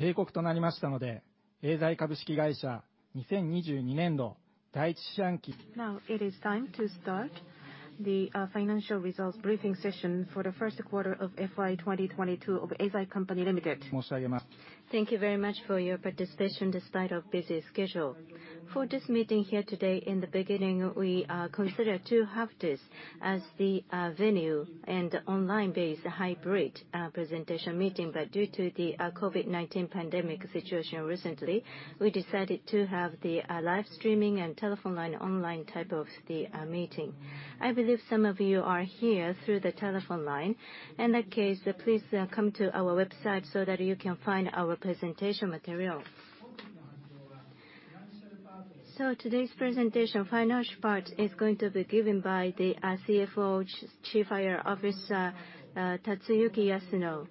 Now it is time to start the financial results briefing session for the first quarter of FY 2022 of Eisai Co., Ltd. Thank you very much for your participation despite busy schedule. For this meeting here today, in the beginning, we considered to have this as the venue and online-based hybrid presentation meeting. Due to the COVID-19 pandemic situation recently, we decided to have the live streaming and telephone line online type of the meeting. I believe some of you are here through the telephone line. In that case, please come to our website so that you can find our presentation material. Today's presentation financial part is going to be given by the CFO, Chief IR Officer, Tatsuyuki Yasuno.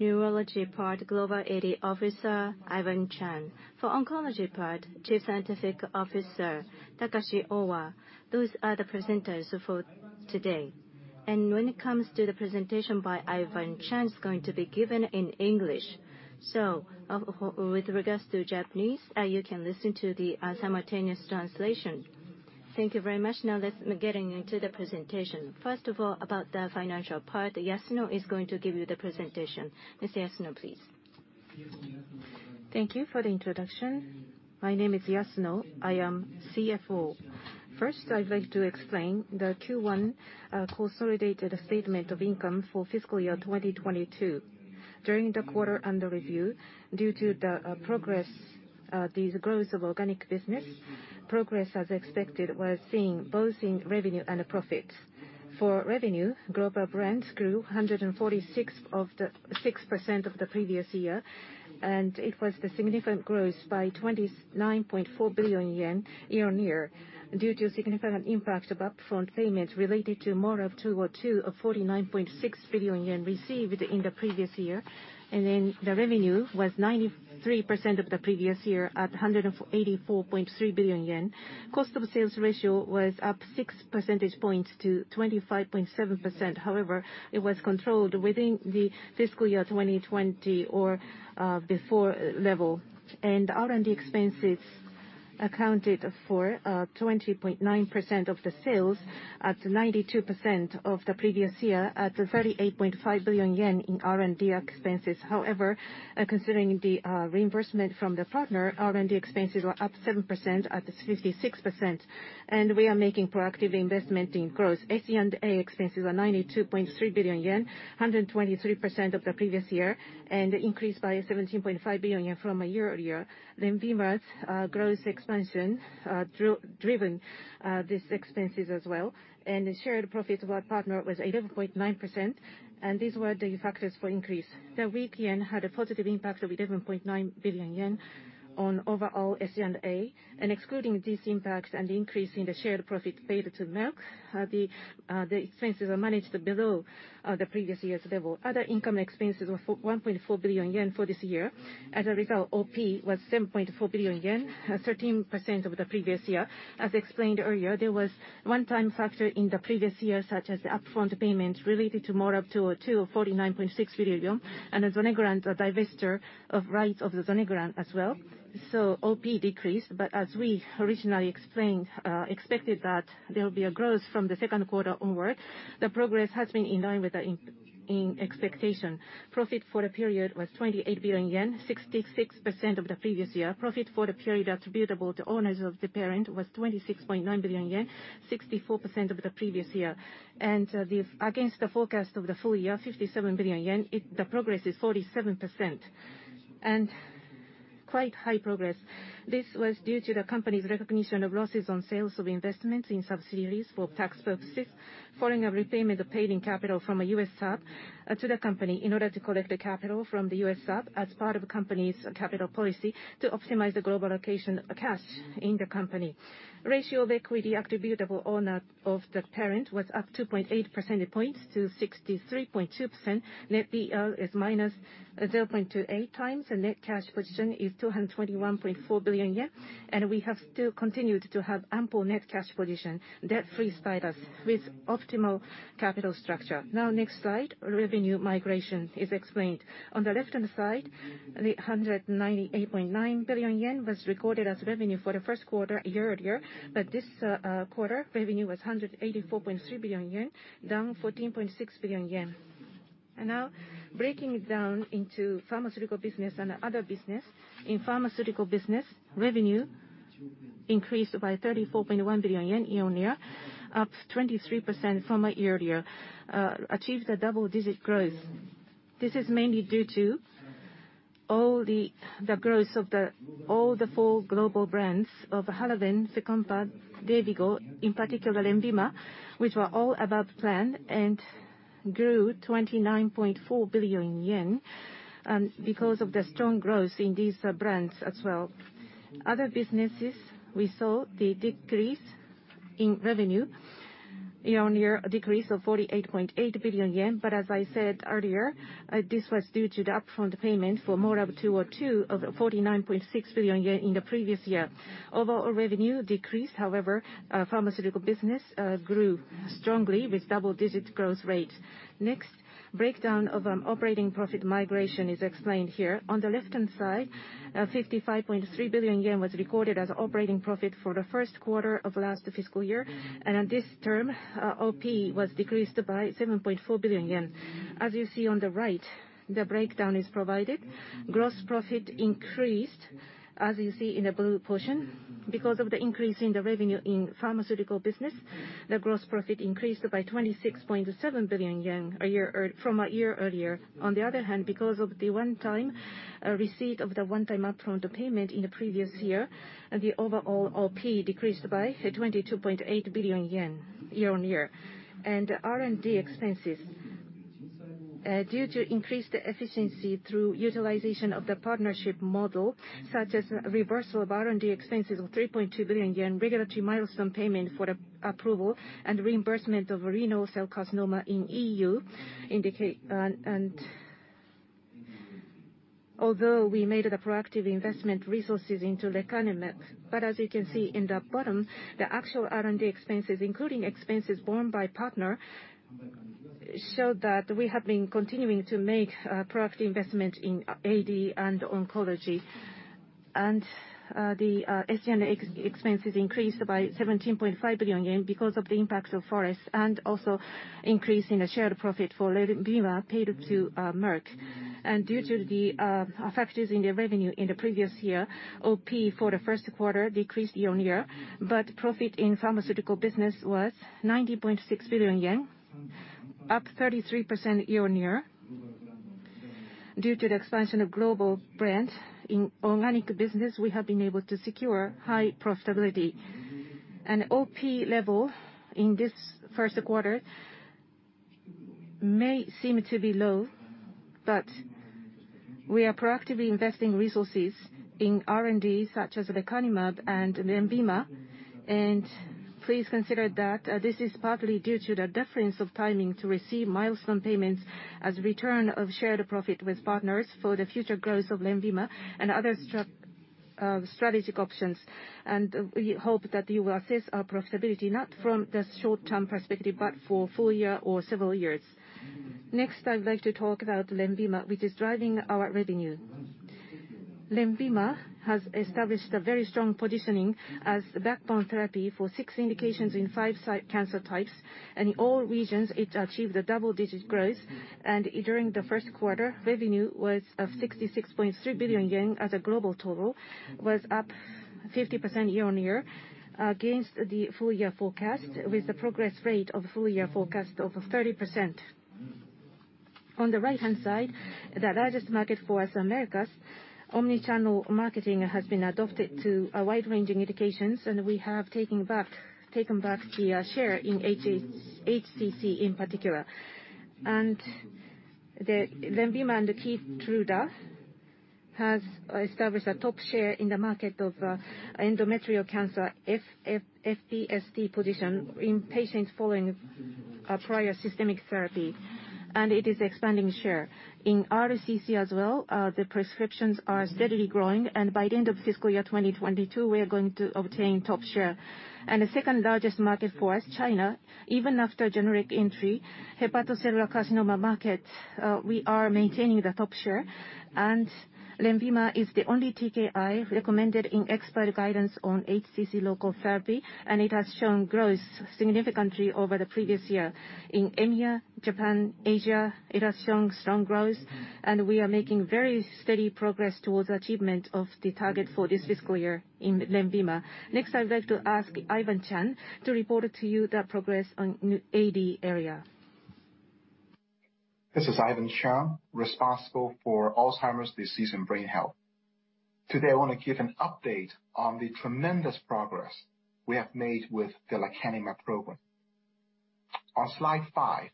Neurology Part, Global AD Officer, Ivan Cheung. For Oncology Part, Chief Scientific Officer, Takashi Owa. Those are the presenters for today. When it comes to the presentation by Ivan Cheung, it's going to be given in English. For Japanese, you can listen to the simultaneous translation. Thank you very much. Now let's get into the presentation. First of all, about the financial part, Yasuno is going to give you the presentation. Mr. Yasuno, please. Thank you for the introduction. My name is Yasuno. I am CFO. First, I'd like to explain the Q1 consolidated statement of income for fiscal year 2022. During the quarter under review, due to the progress these growth of organic business, progress as expected was seen both in revenue and profit. For revenue, global brands grew 146.6% of the previous year, and it was the significant growth by 29.4 billion yen year-on-year due to significant impact of upfront payments related to MORAb-202 of 49.6 billion yen received in the previous year. The revenue was 93% of the previous year at 148.3 billion yen. Cost of sales ratio was up six percentage points to 25.7%. However, it was controlled within the fiscal year 2020 before level. R&D expenses accounted for 20.9% of the sales at 92% of the previous year at 38.5 billion yen in R&D expenses. However, considering the reimbursement from the partner, R&D expenses were up 7% at 56%. We are making proactive investment in growth. SG&A expenses are 92.3 billion yen, 123% of the previous year, and increased by 17.5 billion yen from a year earlier. LENVIMA's growth expansion driven these expenses as well. The shared profit of our partner was 11.9%, and these were the factors for increase. The FX had a positive impact of 11.9 billion yen on overall SG&A. Excluding this impact and increase in the shared profit paid to Merck, the expenses are managed below the previous year's level. Other income expenses were 1.4 billion yen for this year. As a result, OP was 7.4 billion yen, 13% of the previous year. As explained earlier, there was one-time factor in the previous year, such as the upfront payment related to MORAb-202 of JPY 49.6 billion and the Zonegran divestiture of rights of the Zonegran as well. OP decreased, but as we originally explained, expected that there will be a growth from the second quarter onward. The progress has been in line with our expectation. Profit for the period was 28 billion yen, 66% of the previous year. Profit for the period attributable to owners of the parent was 26.9 billion yen, 64% of the previous year. This, against the forecast of the full-year, 57 billion yen, the progress is 47%. Quite high progress. This was due to the company's recognition of losses on sales of investments in subsidiaries for tax purposes following a repayment of paid-in capital from a U.S. sub to the company in order to collect the capital from the U.S. sub as part of company's capital policy to optimize the global allocation of cash in the company. Ratio of equity attributable owner of the parent was up 2.8 percentage points to 63.2%. Net D/E is -0.28x. The net cash position is 221.4 billion yen. We have still continued to have ample net cash position, debt-free status with optimal capital structure. Next slide, revenue migration is explained. On the left-hand side, 198.9 billion yen was recorded as revenue for the first quarter a year earlier. This quarter, revenue was 184.3 billion yen, down 14.6 billion yen. Now breaking down into pharmaceutical business and other business. In pharmaceutical business, revenue increased by 34.1 billion yen year-on-year, up 23% from a year earlier, achieved a double-digit growth. This is mainly due to the growth of all the four global brands of HALAVEN, FYCOMPA, DAYVIGO, in particular LENVIMA, which were all above plan and grew 29.4 billion yen, because of the strong growth in these brands as well. Other businesses, we saw the decrease in revenue, year-on-year decrease of 48.8 billion yen. But as I said earlier, this was due to the upfront payment for MORAb-202 of 49.6 billion yen in the previous year. Overall revenue decreased, however, our pharmaceutical business grew strongly with double-digit growth rate. Next, breakdown of operating profit margin is explained here. On the left-hand side, 55.3 billion yen was recorded as operating profit for the first quarter of last fiscal year. This term, OP was decreased by 7.4 billion yen. As you see on the right, the breakdown is provided. Gross profit increased, as you see in the blue portion. Because of the increase in the revenue in pharmaceutical business, the gross profit increased by 26.7 billion yen from a year earlier. On the other hand, because of the one-time receipt of the one-time upfront payment in the previous year, the overall OP decreased by 22.8 billion yen year-on-year. R&D expenses. Due to increased efficiency through utilization of the partnership model, such as reversal of R&D expenses of 3.2 billion yen, regulatory milestone payment for the approval and reimbursement of renal cell carcinoma in the EU and India. Although we made the proactive investment resources into lecanemab. As you can see in the bottom, the actual R&D expenses, including expenses borne by partner, show that we have been continuing to make proactive investment in AD and oncology. The SG&A expenses increased by 17.5 billion yen because of the impacts of ForEx and also increase in the shared profit for LENVIMA paid to Merck. Due to the factors in the revenue in the previous year, OP for the first quarter decreased year-on-year, but profit in pharmaceutical business was 90.6 billion yen, up 33% year-on-year. Due to the expansion of global brand in oncology business, we have been able to secure high profitability. An OP level in this first quarter may seem to be low, but we are proactively investing resources in R&D such as lecanemab and LENVIMA. Please consider that this is partly due to the difference of timing to receive milestone payments as return of shared profit with partners for the future growth of LENVIMA and other strategic options. We hope that you will assess our profitability not from the short-term perspective, but for full-year or several years. Next, I would like to talk about LENVIMA, which is driving our revenue. LENVIMA has established a very strong positioning as the backbone therapy for six indications in five site cancer types. In all regions, it achieved a double-digit growth. During the first quarter, revenue was 66.3 billion yen as a global total, was up 50% year-on-year, against the full-year forecast, with the progress rate of full-year forecast of 30%. On the right-hand side, the largest market for us, Americas, omni-channel marketing has been adopted to a wide-ranging indications, and we have taken back the share in HCC in particular. The LENVIMA and KEYTRUDA has established a top share in the market of endometrial cancer first position in patients following prior systemic therapy, and it is expanding share. In RCC as well, the prescriptions are steadily growing, and by the end of fiscal year 2022, we are going to obtain top share. The second-largest market for us, China, even after generic entry, hepatocellular carcinoma market, we are maintaining the top share. LENVIMA is the only TKI recommended in expert guidance on HCC local therapy, and it has shown growth significantly over the previous year. In EMEA, Japan, Asia, it has shown strong growth and we are making very steady progress towards achievement of the target for this fiscal year in LENVIMA. Next, I would like to ask Ivan Cheung to report to you the progress on new AD area. This is Ivan Cheung, responsible for Alzheimer's disease and brain health. Today, I want to give an update on the tremendous progress we have made with the lecanemab program. On slide five,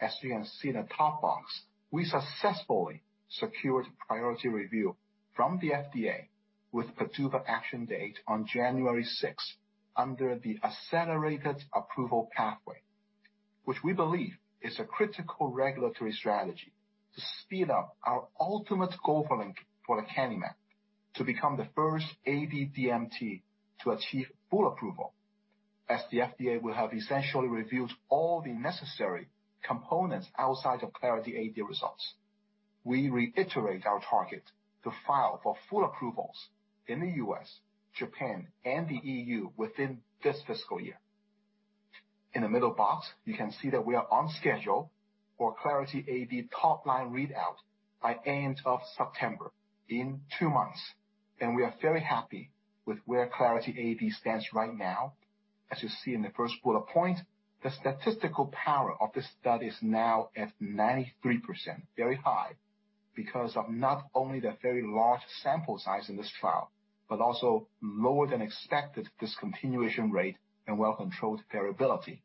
as we can see in the top box, we successfully secured priority review from the FDA with PDUFA action date on January 6th, under the Accelerated Approval pathway, which we believe is a critical regulatory strategy to speed up our ultimate goal for lecanemab, to become the first AD-DMT to achieve full approval. As the FDA will have essentially reviewed all the necessary components outside of Clarity AD results. We reiterate our target to file for full approvals in the U.S., Japan, and the EU within this fiscal year. In the middle box, you can see that we are on schedule for Clarity AD top-line readout by end of September, in two months. We are very happy with where Clarity AD stands right now. As you see in the first bullet point, the statistical power of the study is now at 93%, very high, because of not only the very large sample size in this trial, but also lower than expected discontinuation rate and well-controlled variability.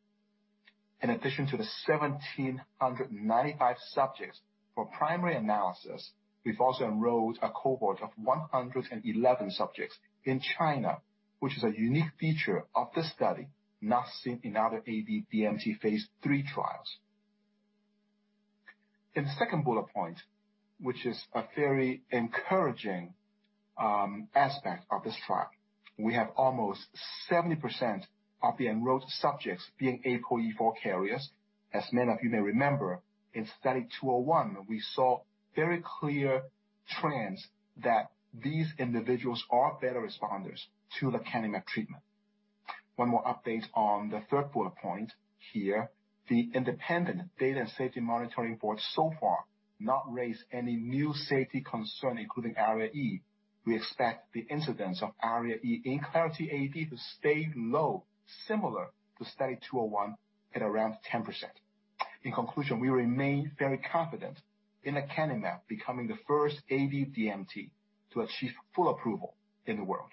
In addition to the 1,795 subjects for primary analysis, we've also enrolled a cohort of 111 subjects in China, which is a unique feature of this study not seen AD-DMT phase III trials. In the second bullet point, which is a very encouraging aspect of this trial, we have almost 70% of the enrolled subjects being ApoE4 carriers. As many of you may remember, in Study 201, we saw very clear trends that these individuals are better responders to lecanemab treatment. One more update on the third bullet point here. The independent data and safety monitoring board so far not raised any new safety concern, including ARIA-E. We expect the incidence of ARIA-E in Clarity AD to stay low, similar to Study 201 at around 10%. In conclusion, we remain very confident in lecanemab becoming the first AD-DMT to achieve full approval in the world.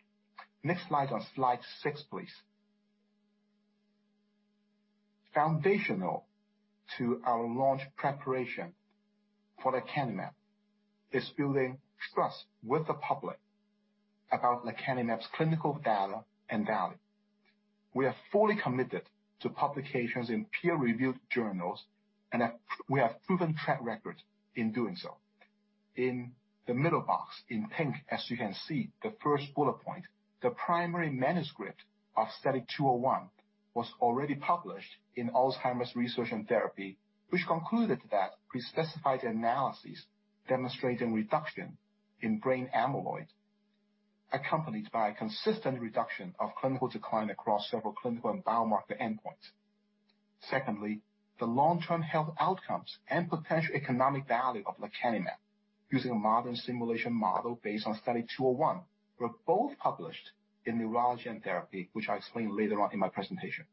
Next slide on slide six, please. Foundational to our launch preparation for lecanemab is building trust with the public about lecanemab's clinical data and value. We are fully committed to publications in peer-reviewed journals, and we have proven track record in doing so. In the middle box in pink, as you can see, the first bullet point, the primary manuscript of Study 201 was already published in Alzheimer's Research & Therapy, which concluded that pre-specified analyses demonstrating reduction in brain amyloid, accompanied by a consistent reduction of clinical decline across several clinical and biomarker endpoints. Secondly, the long-term health outcomes and potential economic value of lecanemab using a modern simulation model based on Study 201 were both published in Neurology and Therapy, which I'll explain later on in my presentation.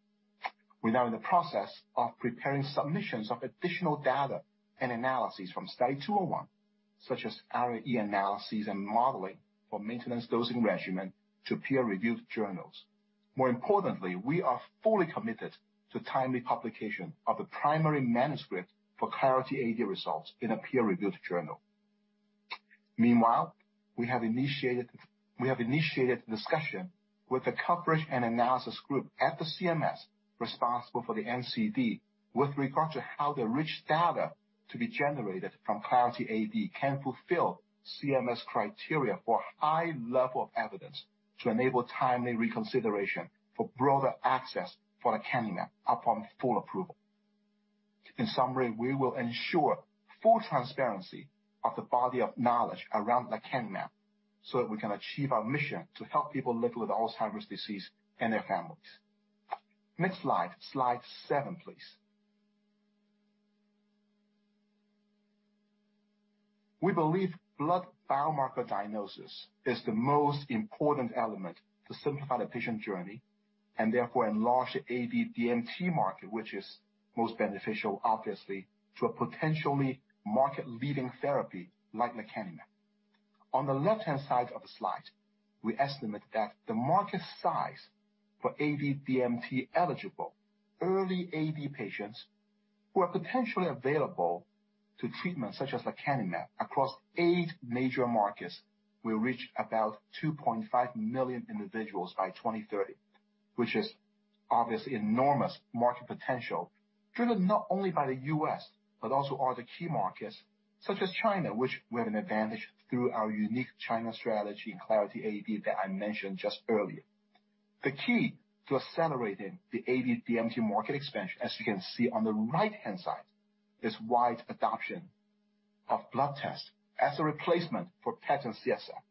We're now in the process of preparing submissions of additional data and analyses from Study 201, such as ARIA-E analyses and modeling for maintenance dosing regimen to peer-reviewed journals. More importantly, we are fully committed to timely publication of the primary manuscript for Clarity AD results in a peer-reviewed journal. Meanwhile, we have initiated discussion with the coverage and analysis group at the CMS responsible for the NCD with regard to how the rich data to be generated from Clarity AD can fulfill CMS criteria for high level of evidence to enable timely reconsideration for broader access for lecanemab upon full approval. In summary, we will ensure full transparency of the body of knowledge around lecanemab so that we can achieve our mission to help people living with Alzheimer's disease and their families. Next slide seven, please. We believe blood biomarker diagnosis is the most important element to simplify the patient journey, and therefore enlarge AD-DMT market, which is most beneficial, obviously, to a potentially market-leading therapy like lecanemab. On the left-hand side of the slide, we estimate that the market size for AD-DMT-eligible early AD patients who are potentially available to treatments such as lecanemab across eight major markets will reach about 2.5 million individuals by 2030. Which is obviously enormous market potential, driven not only by the U.S., but also other key markets such as China, which we have an advantage through our unique China strategy in Clarity AD that I mentioned just earlier. The key to accelerating the AD-DMT market expansion, as you can see on the right-hand side, is wide adoption of blood tests as a replacement for PET and CSF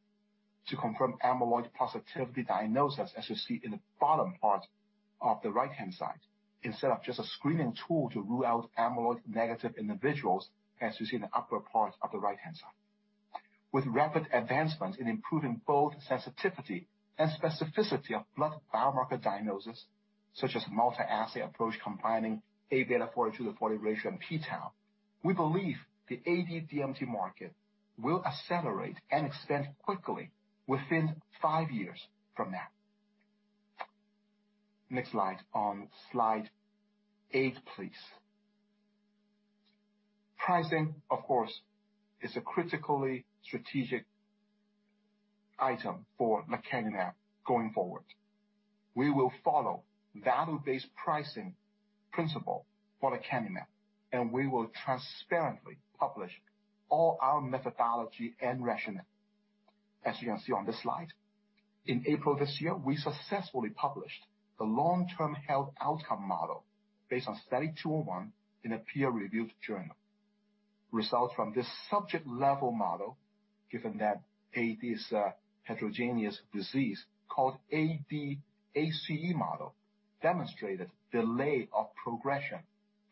to confirm amyloid positivity diagnosis, as you see in the bottom part of the right-hand side, instead of just a screening tool to rule out amyloid negative individuals, as you see in the upper part of the right-hand side. With rapid advancements in improving both sensitivity and specificity of blood biomarker diagnosis, such as multi-assay approach combining Aβ42/40 ratio and p-tau, we believe the AD-DMT market will accelerate and expand quickly within five years from now. Next slide on slide eight, please. Pricing, of course, is a critically strategic item for lecanemab going forward. We will follow value-based pricing principle for lecanemab, and we will transparently publish all our methodology and rationale. As you can see on this slide, in April this year, we successfully published the long-term health outcome model based on Study 201 in a peer-reviewed journal. Results from this subject level model, given that AD is a heterogeneous disease called AD ACE model, demonstrated delay of progression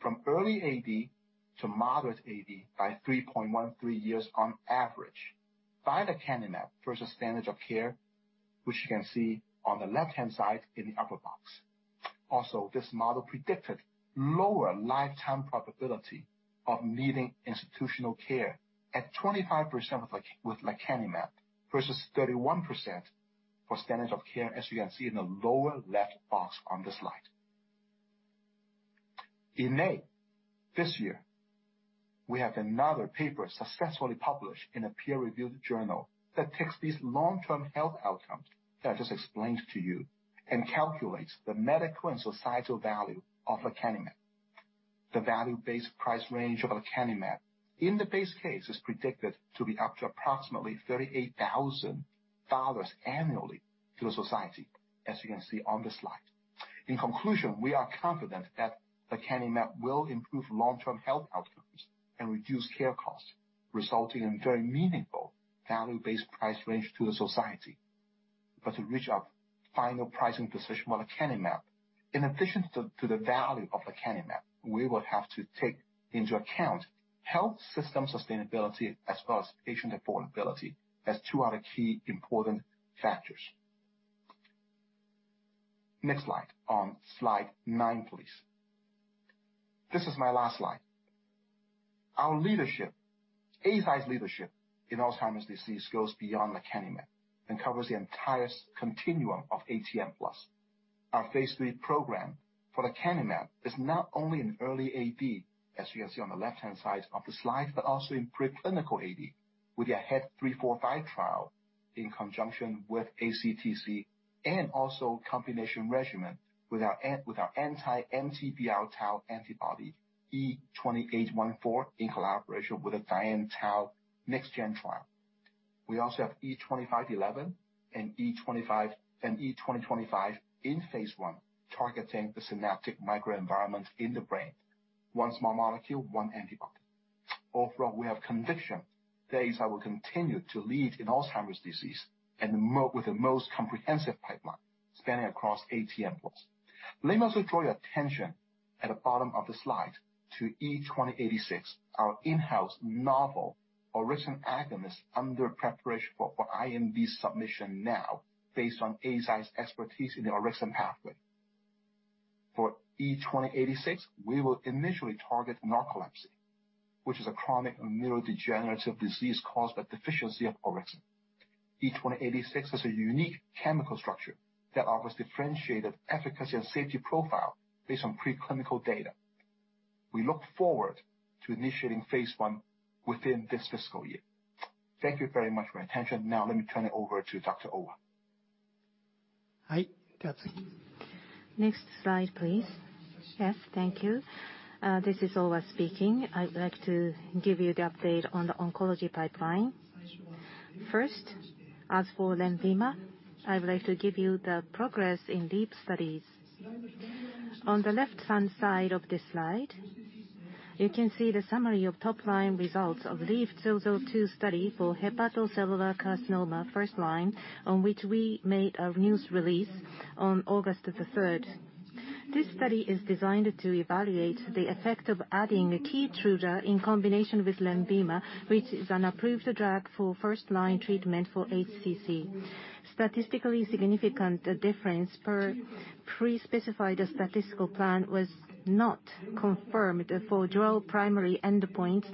from early AD to moderate AD by 3.13 years on average by lecanemab versus standard of care, which you can see on the left-hand side in the upper box. This model predicted lower lifetime probability of needing institutional care at 25% with lecanemab versus 31% for standard of care, as you can see in the lower left box on the slide. In May this year, we have another paper successfully published in a peer-reviewed journal that takes these long-term health outcomes that I just explained to you and calculates the medical and societal value of lecanemab. The value-based price range of lecanemab in the base case is predicted to be up to approximately $38,000 annually to the society, as you can see on the slide. In conclusion, we are confident that lecanemab will improve long-term health outcomes and reduce care costs, resulting in very meaningful value-based price range to the society. To reach our final pricing decision on lecanemab, in addition to the value of lecanemab, we will have to take into account health system sustainability as well as patient affordability as two other key important factors. Next slide, on slide nine, please. This is my last slide. Our leadership, Eisai's leadership in Alzheimer's disease goes beyond lecanemab and covers the entire continuum of A/T/N. Phase III program for lecanemab is not only in early AD, as you can see on the left-hand side of the slide, but also in preclinical AD with AHEAD 3-45 trial in conjunction with ACTC and also combination regimen with our anti-MTBR tau antibody, E2814 in collaboration with DIAN-TU NexGen trial. We also have E2511 and E2025 in phase I, targeting the synaptic microenvironment in the brain. One small molecule, one antibody. Overall, we have conviction that Eisai will continue to lead in Alzheimer's disease with the most comprehensive pipeline spanning across A/T/N. Let me also draw your attention at the bottom of the slide to E2086, our in-house novel orexin agonist under preparation for IND submission now based on Eisai's expertise in the orexin pathway. For E2086, we will initially target narcolepsy, which is a chronic neurodegenerative disease caused by deficiency of orexin. E2086 has a unique chemical structure that offers differentiated efficacy and safety profile based on preclinical data. We look forward to initiating phase I within this fiscal year. Thank you very much for your attention. Now let me turn it over to Dr. Owa. Next slide, please. Yes, thank you. This is Owa speaking. I'd like to give you the update on the oncology pipeline. First, as for LENVIMA, I would like to give you the progress in lead studies. On the left-hand side of this slide, you can see the summary of top-line results of LEAP-002 study for hepatocellular carcinoma first line, on which we made a news release on August the third. This study is designed to evaluate the effect of adding KEYTRUDA in combination with LENVIMA, which is an approved drug for first-line treatment for HCC. Statistically significant difference per pre-specified statistical plan was not confirmed for dual primary endpoint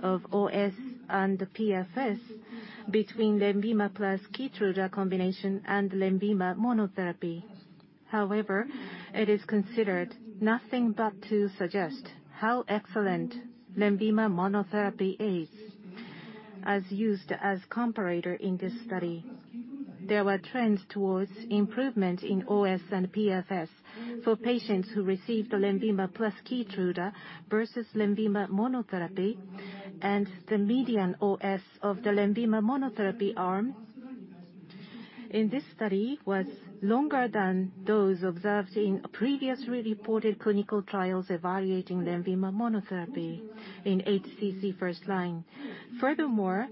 of OS and PFS between LENVIMA plus KEYTRUDA combination and LENVIMA monotherapy. However, it is considered nothing but to suggest how excellent LENVIMA monotherapy is as used as comparator in this study. There were trends towards improvement in OS and PFS for patients who received the LENVIMA plus KEYTRUDA versus LENVIMA monotherapy, and the median OS of the LENVIMA monotherapy arm in this study was longer than those observed in previously reported clinical trials evaluating LENVIMA monotherapy in HCC first line. Furthermore,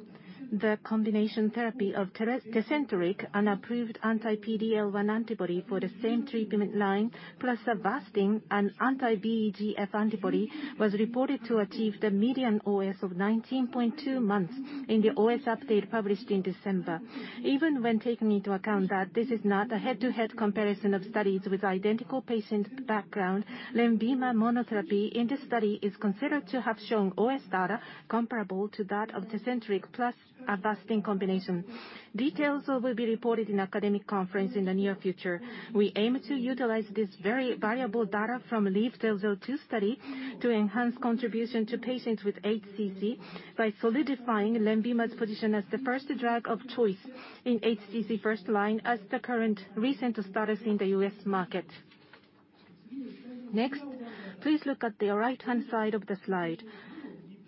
the combination therapy of Tecentriq, an approved anti-PD-L1 antibody for the same treatment line, plus Avastin, an anti-VEGF antibody, was reported to achieve the median OS of 19.2 months in the OS update published in December. Even when taking into account that this is not a head-to-head comparison of studies with identical patient background, LENVIMA monotherapy in this study is considered to have shown OS data comparable to that of Tecentriq plus Avastin combination. Details will be reported in academic conference in the near future. We aim to utilize this very valuable data from LEAP-002 study to enhance contribution to patients with HCC by solidifying LENVIMA's position as the first drug of choice in HCC first line as the current recent status in the U.S. market. Next, please look at the right-hand side of the slide.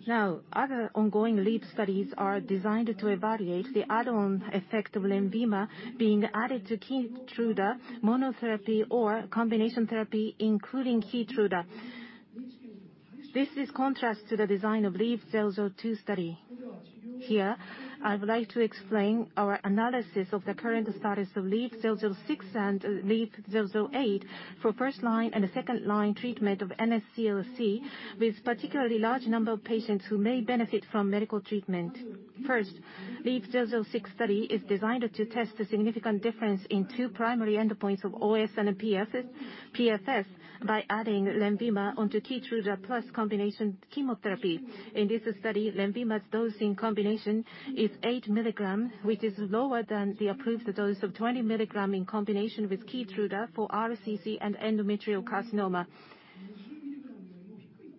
Now, other ongoing lead studies are designed to evaluate the add-on effect of LENVIMA being added to KEYTRUDA monotherapy or combination therapy, including KEYTRUDA. This is in contrast to the design of LEAP-002 study. Here, I would like to explain our analysis of the current status of LEAP-006 and LEAP-008 for first-line and second-line treatment of NSCLC with particularly large number of patients who may benefit from medical treatment. First, LEAP-006 study is designed to test the significant difference in two primary endpoints of OS and PFS by adding LENVIMA onto KEYTRUDA plus combination chemotherapy. In this study, LENVIMA's dosing combination is 8 mg, which is lower than the approved dose of 20 mg in combination with KEYTRUDA for RCC and endometrial carcinoma.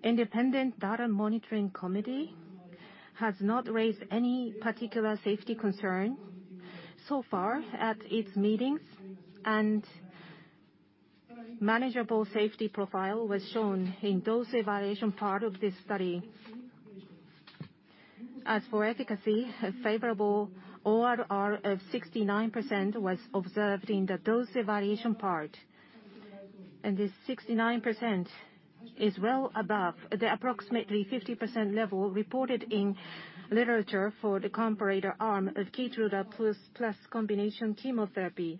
Independent Data Monitoring Committee has not raised any particular safety concern so far at its meetings, and manageable safety profile was shown in dose evaluation part of this study. As for efficacy, a favorable ORR of 69% was observed in the dose evaluation part. This 69% is well above the approximately 50% level reported in literature for the comparator arm of KEYTRUDA plus combination chemotherapy.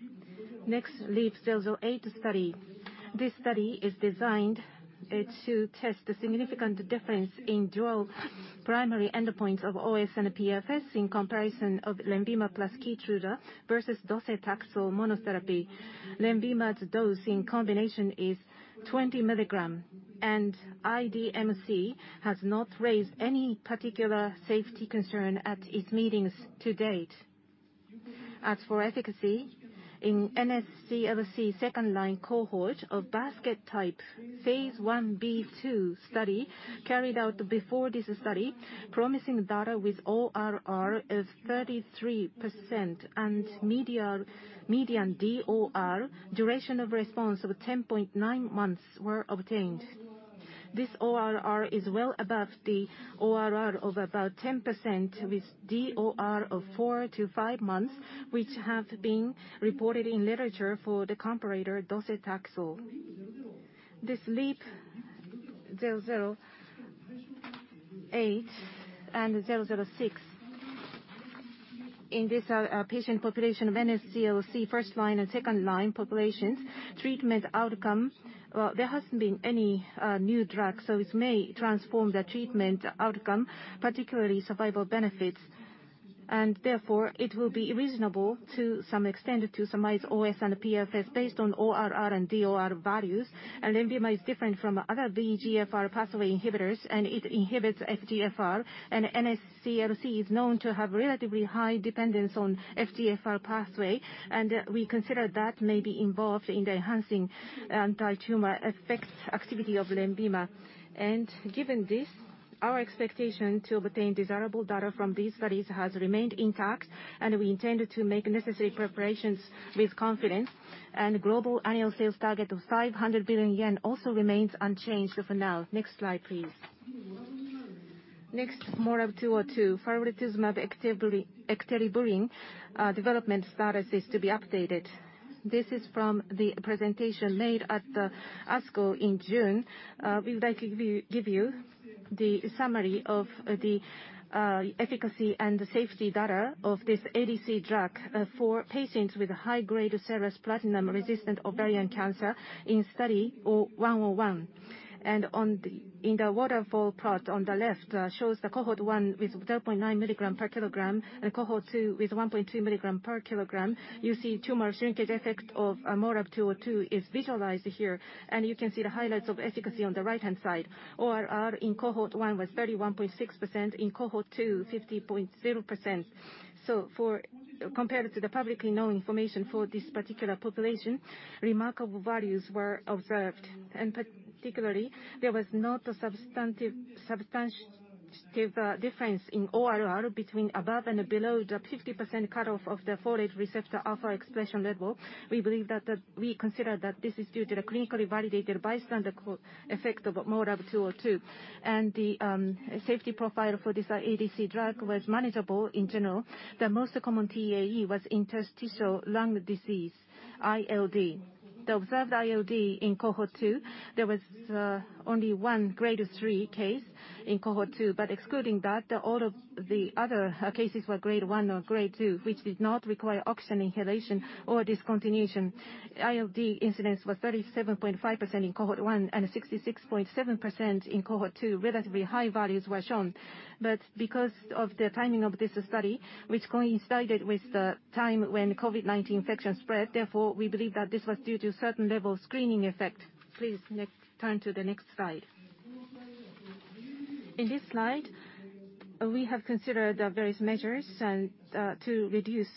Next, LEAP-008 study. This study is designed to test the significant difference in dual primary endpoints of OS and PFS in comparison of LENVIMA plus KEYTRUDA versus docetaxel monotherapy. LENVIMA's dose in combination is 20 mg, and IDMC has not raised any particular safety concern at its meetings to date. As for efficacy, in NSCLC second-line cohort of basket-type phase I-B/II study carried out before this study, promising data with ORR of 33% and median DOR, duration of response of 10.9 months were obtained. This ORR is well above the ORR of about 10% with DOR of four to five months, which have been reported in literature for the comparator docetaxel. This LEAP-008 and LEAP-006. In this patient population of NSCLC first-line and second-line populations, treatment outcome, there hasn't been any new drug, so it may transform the treatment outcome, particularly survival benefits. Therefore, it will be reasonable to some extent to surmise OS and PFS based on ORR and DOR values. LENVIMA is different from other VEGFR pathway inhibitors, and it inhibits FGFR. NSCLC is known to have relatively high dependence on FGFR pathway, and we consider that may be involved in the enhancing antitumor effect activity of LENVIMA. Given this, our expectation to obtain desirable data from these studies has remained intact, and we intend to make necessary preparations with confidence. Global annual sales target of 500 billion yen also remains unchanged for now. Next slide, please. Next, MORAb-202, farletuzumab ecteribulin, development status is to be updated. This is from the presentation made at the ASCO in June. We would like to give you the summary of the efficacy and the safety data of this ADC drug for patients with high-grade serous platinum-resistant ovarian cancer in Study 101. In the waterfall plot on the left shows the Cohort 1 with 0.9 mg/kg and Cohort 2 with 1.2 mg/kg. You see tumor shrinkage effect of MORAb-202 is visualized here, and you can see the highlights of efficacy on the right-hand side. ORR in Cohort 1 was 31.6%. In Cohort 2, 50.0%. Compared to the publicly known information for this particular population, remarkable values were observed. Particularly, there was not a substantive difference in ORR between above and below the 50% cutoff of the folate receptor alpha expression level. We consider that this is due to the clinically validated bystander effect of MORAb-202. The safety profile for this ADC drug was manageable in general. The most common TEAE was interstitial lung disease, ILD. The observed ILD in Cohort 2, there was only one Grade 3 case in Cohort 2. But excluding that, all of the other cases were Grade 1 or Grade 2, which did not require oxygen inhalation or discontinuation. ILD incidence was 37.5% in Cohort 1 and 66.7% in Cohort 2. Relatively high values were shown. Because of the timing of this study, which coincided with the time when COVID-19 infection spread, therefore, we believe that this was due to certain level screening effect. Please turn to the next slide. In this slide, we have considered various measures and to reduce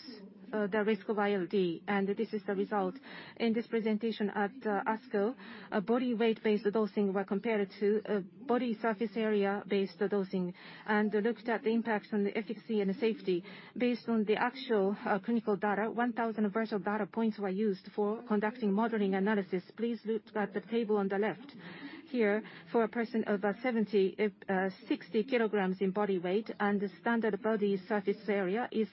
the risk of ILD, and this is the result. In this presentation at ASCO, a body weight-based dosing were compared to a body surface area-based dosing, and looked at the impacts on the efficacy and the safety. Based on the actual clinical data, 1000 virtual data points were used for conducting modeling analysis. Please look at the table on the left. Here, for a person of 60 kg in body weight and the standard body surface area is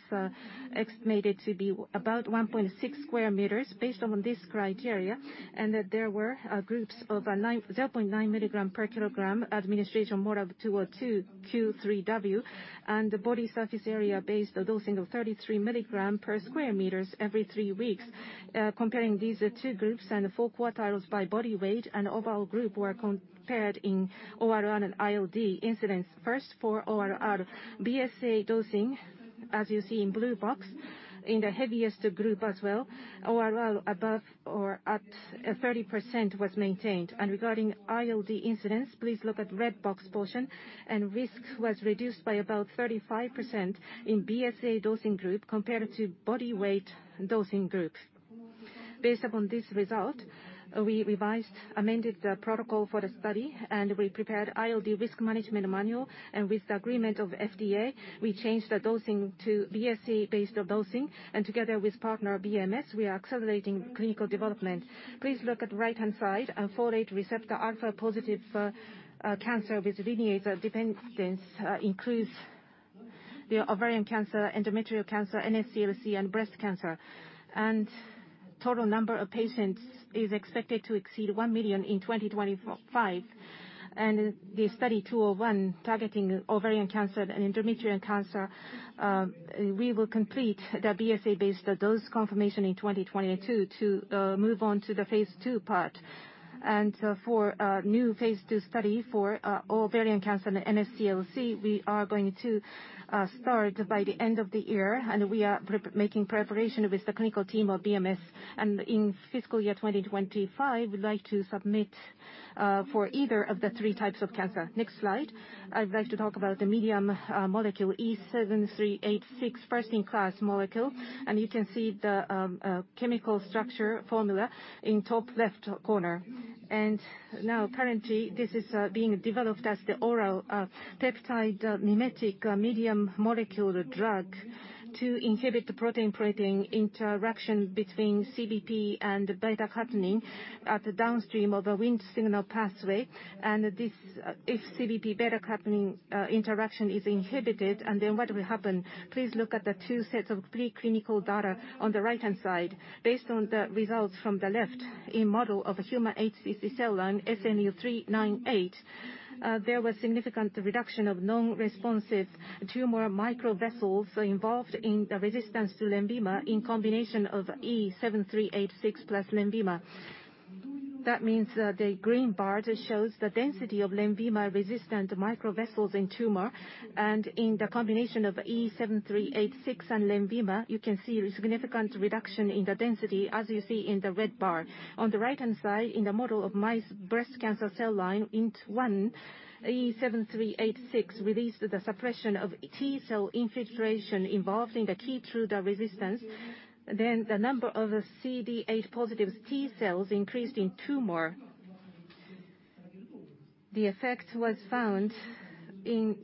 estimated to be about 1.6 sq m based on this criteria. That there were groups of nine, 0.9 mg/kg administration MORAb-202, Q3W, and the body surface area based dosing of 33 mg/sq m every three weeks. Comparing these two groups and the four quartiles by body weight and overall group were compared in ORR and ILD incidence. First, for ORR, BSA dosing, as you see in blue box, in the heaviest group as well, ORR above or at 30% was maintained. Regarding ILD incidence, please look at red box portion. Risk was reduced by about 35% in BSA dosing group compared to body weight dosing group. Based upon this result, we revised, amended the protocol for the study, and we prepared ILD risk management manual. With the agreement of FDA, we changed the dosing to BSA-based dosing. Together with partner BMS, we are accelerating clinical development. Please look at right-hand side. Our folate receptor alpha-positive cancer with FRα dependence includes the ovarian cancer, endometrial cancer, NSCLC, and breast cancer. Total number of patients is expected to exceed one million in 2025. The Study 201 targeting ovarian cancer and endometrial cancer, we will complete the BSA-based dose confirmation in 2022 to move on to the phase II part. For new phase II study for ovarian cancer and NSCLC, we are going to start by the end of the year. We are making preparation with the clinical team of BMS. In fiscal year 2025, we'd like to submit for either of the three types of cancer. Next slide. I'd like to talk about the medium molecule E7386 first-in-class molecule. You can see the chemical structure formula in top left corner. Now currently, this is being developed as the oral peptide mimetic medium molecule drug to inhibit the protein-protein interaction between CBP and beta-catenin at the downstream of a Wnt signal pathway. This, if CBP beta-catenin interaction is inhibited, and then what will happen, please look at the two sets of preclinical data on the right-hand side. Based on the results from the left-hand model of a human HCC cell line, SNU-398, there was significant reduction of non-responsive tumor microvessels involved in the resistance to LENVIMA in combination of E7386 plus LENVIMA. That means that the green bar shows the density of LENVIMA-resistant microvessels in tumor. In the combination of E7386 and LENVIMA, you can see the significant reduction in the density, as you see in the red bar. On the right-hand side, in the model of mouse breast cancer cell line, 4T1, E7386 released the suppression of T cell infiltration involved in the KEYTRUDA resistance. The number of CD8 positive T cells increased in tumor. The effect was found in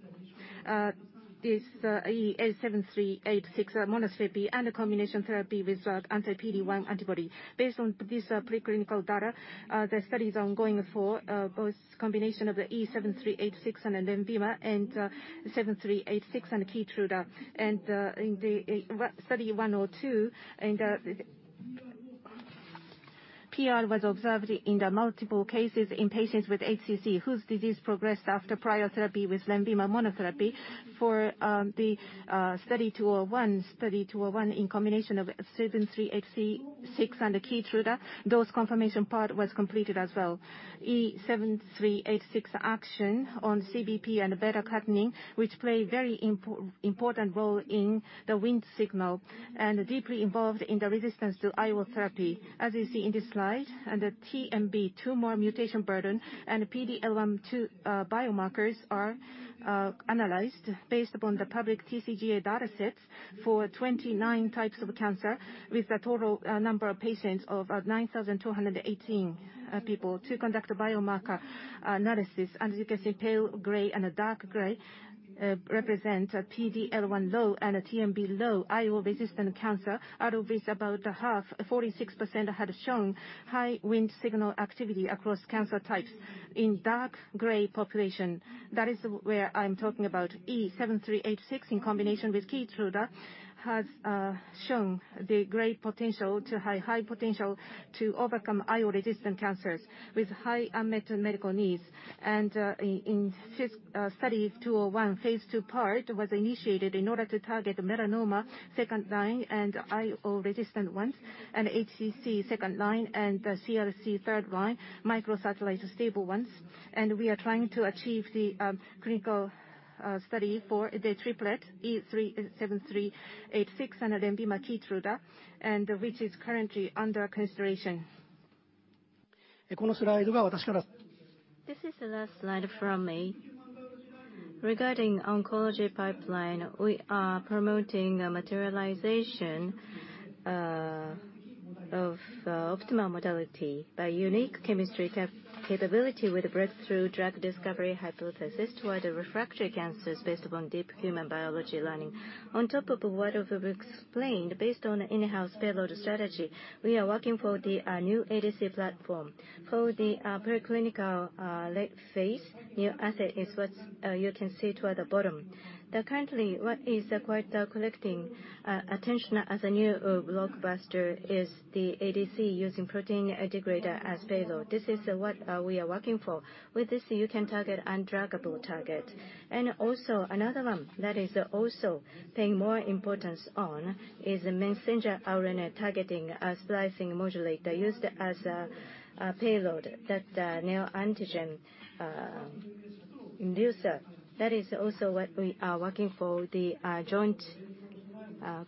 this E7386 monotherapy and a combination therapy with anti-PD-1 antibody. Based on this preclinical data, the study is ongoing for both combination of the E7386 and LENVIMA and E7386 and KEYTRUDA. In the Study 102, PR was observed in multiple cases in patients with HCC whose disease progressed after prior therapy with LENVIMA monotherapy. For the Study 201 in combination of 7386 and the KEYTRUDA, dose confirmation part was completed as well. E7386 action on CBP and beta-catenin, which play very important role in the Wnt signal and deeply involved in the resistance to IO therapy. As you see in this slide, the TMB, tumor mutation burden, and PD-L1, two biomarkers are analyzed based upon the public TCGA datasets for 29 types of cancer with a total number of patients of 9,218 people to conduct a biomarker analysis. As you can see, pale gray and a dark gray represent a PD-L1 low and a TMB low IO-resistant cancer. Out of this, about half, 46%, had shown high Wnt signal activity across cancer types in dark gray population. That is where I'm talking about E7386 in combination with KEYTRUDA has shown the great potential to have high potential to overcome IO-resistant cancers with high unmet medical needs. In this Study 201, phase II part was initiated in order to target melanoma second line and IO-resistant ones, and HCC second line, and the NSCLC third line microsatellite stable ones. We are trying to achieve the clinical study for the triplet E7386 and LENVIMA/KEYTRUDA, which is currently under consideration. This is the last slide from me. Regarding oncology pipeline, we are promoting a materialization of optimal modality by unique chemistry capability with breakthrough drug discovery hypothesis toward the refractory cancers based upon deep human biology learning. On top of what we've explained, based on in-house payload strategy, we are working for the new ADC platform. For the preclinical late phase, new asset is what you can see toward the bottom. The currently what is quite collecting attention as a new blockbuster is the ADC using protein degrader as payload. This is what we are working for. With this, you can target undruggable target. Also another one that is also paying more importance on is messenger RNA targeting splicing modulator used as a payload that neoantigen inducer. That is also what we are working for the joint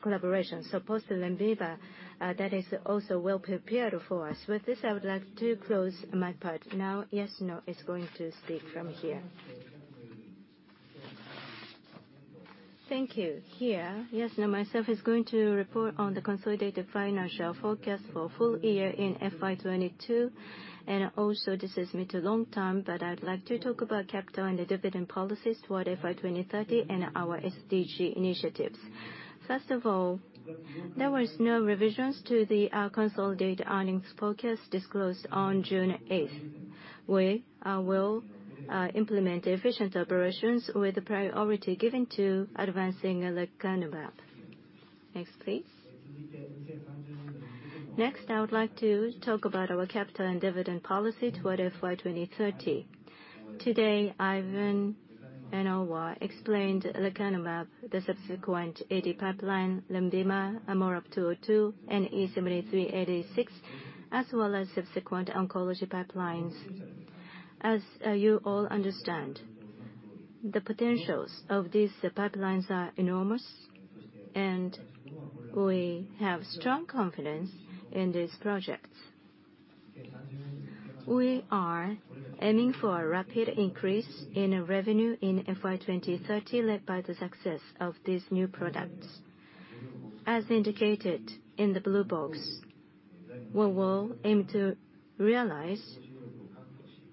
collaboration. Post LENVIMA, that is also well prepared for us. With this, I would like to close my part. Now Yasuno is going to speak from here. Thank you. Here. Yes. Now myself is going to report on the consolidated financial forecast for full-year in FY 2022. Also this is mid to long term, but I'd like to talk about capital and the dividend policies toward FY 2030 and our SDG initiatives. First of all, there was no revisions to the consolidated earnings forecast disclosed on June 8th. We will implement efficient operations with the priority given to advancing lecanemab. Next, I would like to talk about our capital and dividend policy toward FY 2030. Today, Ivan and Owa explained lecanemab, the subsequent AD pipeline, LENVIMA, MORAb-202, and E7386, as well as subsequent oncology pipelines. As you all understand, the potentials of these pipelines are enormous, and we have strong confidence in these projects. We are aiming for a rapid increase in revenue in FY 2030 led by the success of these new products. As indicated in the blue box, we will aim to realize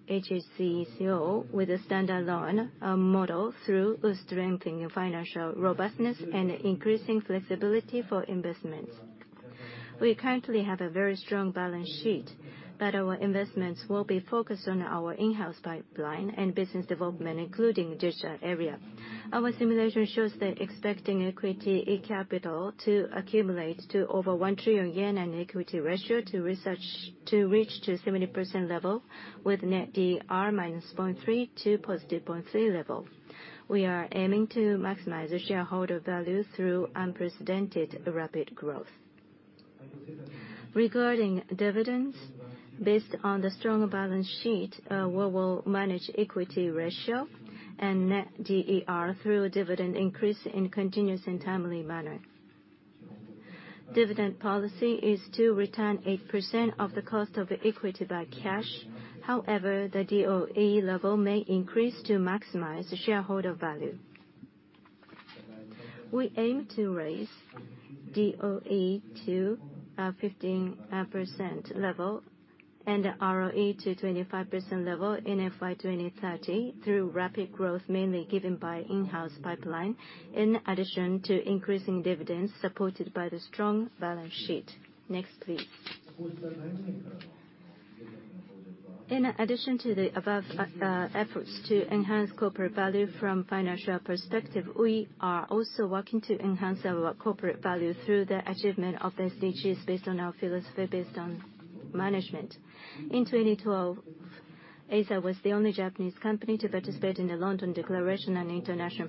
hhc eco with a standard loan model through strengthening financial robustness and increasing flexibility for investment. We currently have a very strong balance sheet, but our investments will be focused on our in-house pipeline and business development, including digital area. Our simulation shows that expecting equity capital to accumulate to over 1 trillion yen and equity ratio to reach to 70% level with net D/E -0.3 to +0.3 level. We are aiming to maximize the shareholder value through unprecedented rapid growth. Regarding dividends, based on the strong balance sheet, we will manage equity ratio and net D/E through a dividend increase in continuous and timely manner. Dividend policy is to return 8% of the cost of equity by cash. However, the DOE level may increase to maximize the shareholder value. We aim to raise DOE to 15% level and ROE to 25% level in FY 2030 through rapid growth mainly given by in-house pipeline, in addition to increasing dividends supported by the strong balance sheet. Next, please. In addition to the above, efforts to enhance corporate value from financial perspective, we are also working to enhance our corporate value through the achievement of SDGs based on our philosophy based on management. In 2012, Eisai was the only Japanese company to participate in the London Declaration on Neglected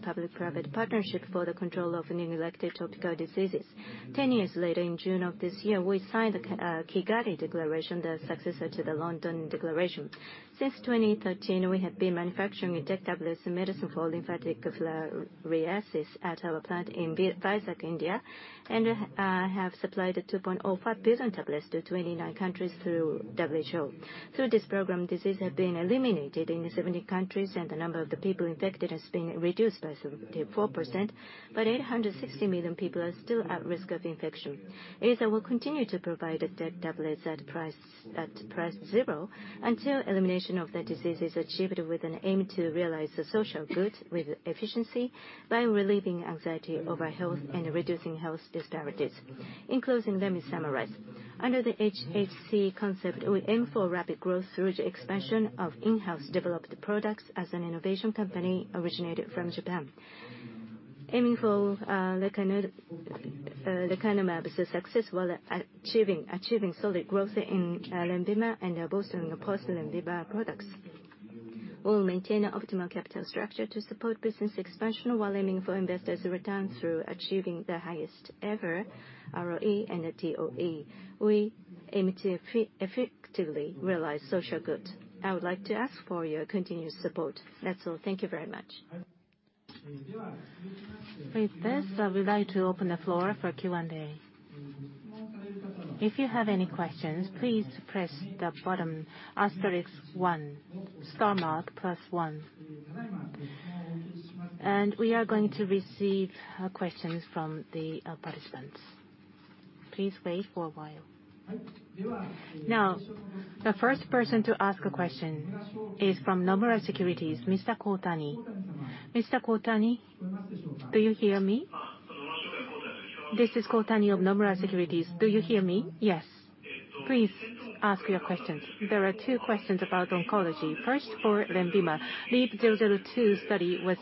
Tropical Diseases. 10 years later, in June of this year, we signed the Kigali Declaration, the successor to the London Declaration. Since 2013, we have been manufacturing DEC tablets medicine for lymphatic filariasis at our plant in Vizag, India, and have supplied 2.05 billion tablets to 29 countries through WHO. Through this program, diseases have been eliminated in 70 countries, and the number of the people infected has been reduced by 74%. 860 million people are still at risk of infection. Eisai will continue to provide DEC tablets at price zero until elimination of the disease is achieved with an aim to realize the social good with efficiency by relieving anxiety over health and reducing health disparities. In closing, let me summarize. Under the HHC concept, we aim for rapid growth through the expansion of in-house developed products as an innovation company originated from Japan. Aiming for lecanemab's success while achieving solid growth in LENVIMA and bolstering post-LENVIMA products. We'll maintain an optimal capital structure to support business expansion while aiming for investors' return through achieving the highest ever ROE and DOE. We aim to effectively realize social good. I would like to ask for your continued support. That's all. Thank you very much. With this, I would like to open the floor for Q&A. If you have any questions, please press the button asterisks one, star mark plus one. We are going to receive questions from the participants. Please wait for a while. Now, the first person to ask a question is from Nomura Securities, Mr. Kohtani. Mr. Kohtani, do you hear me? This is Kohtani of Nomura Securities. Do you hear me? Yes. Please ask your questions. There are two questions about oncology. First, for LENVIMA, LEAP-002 study was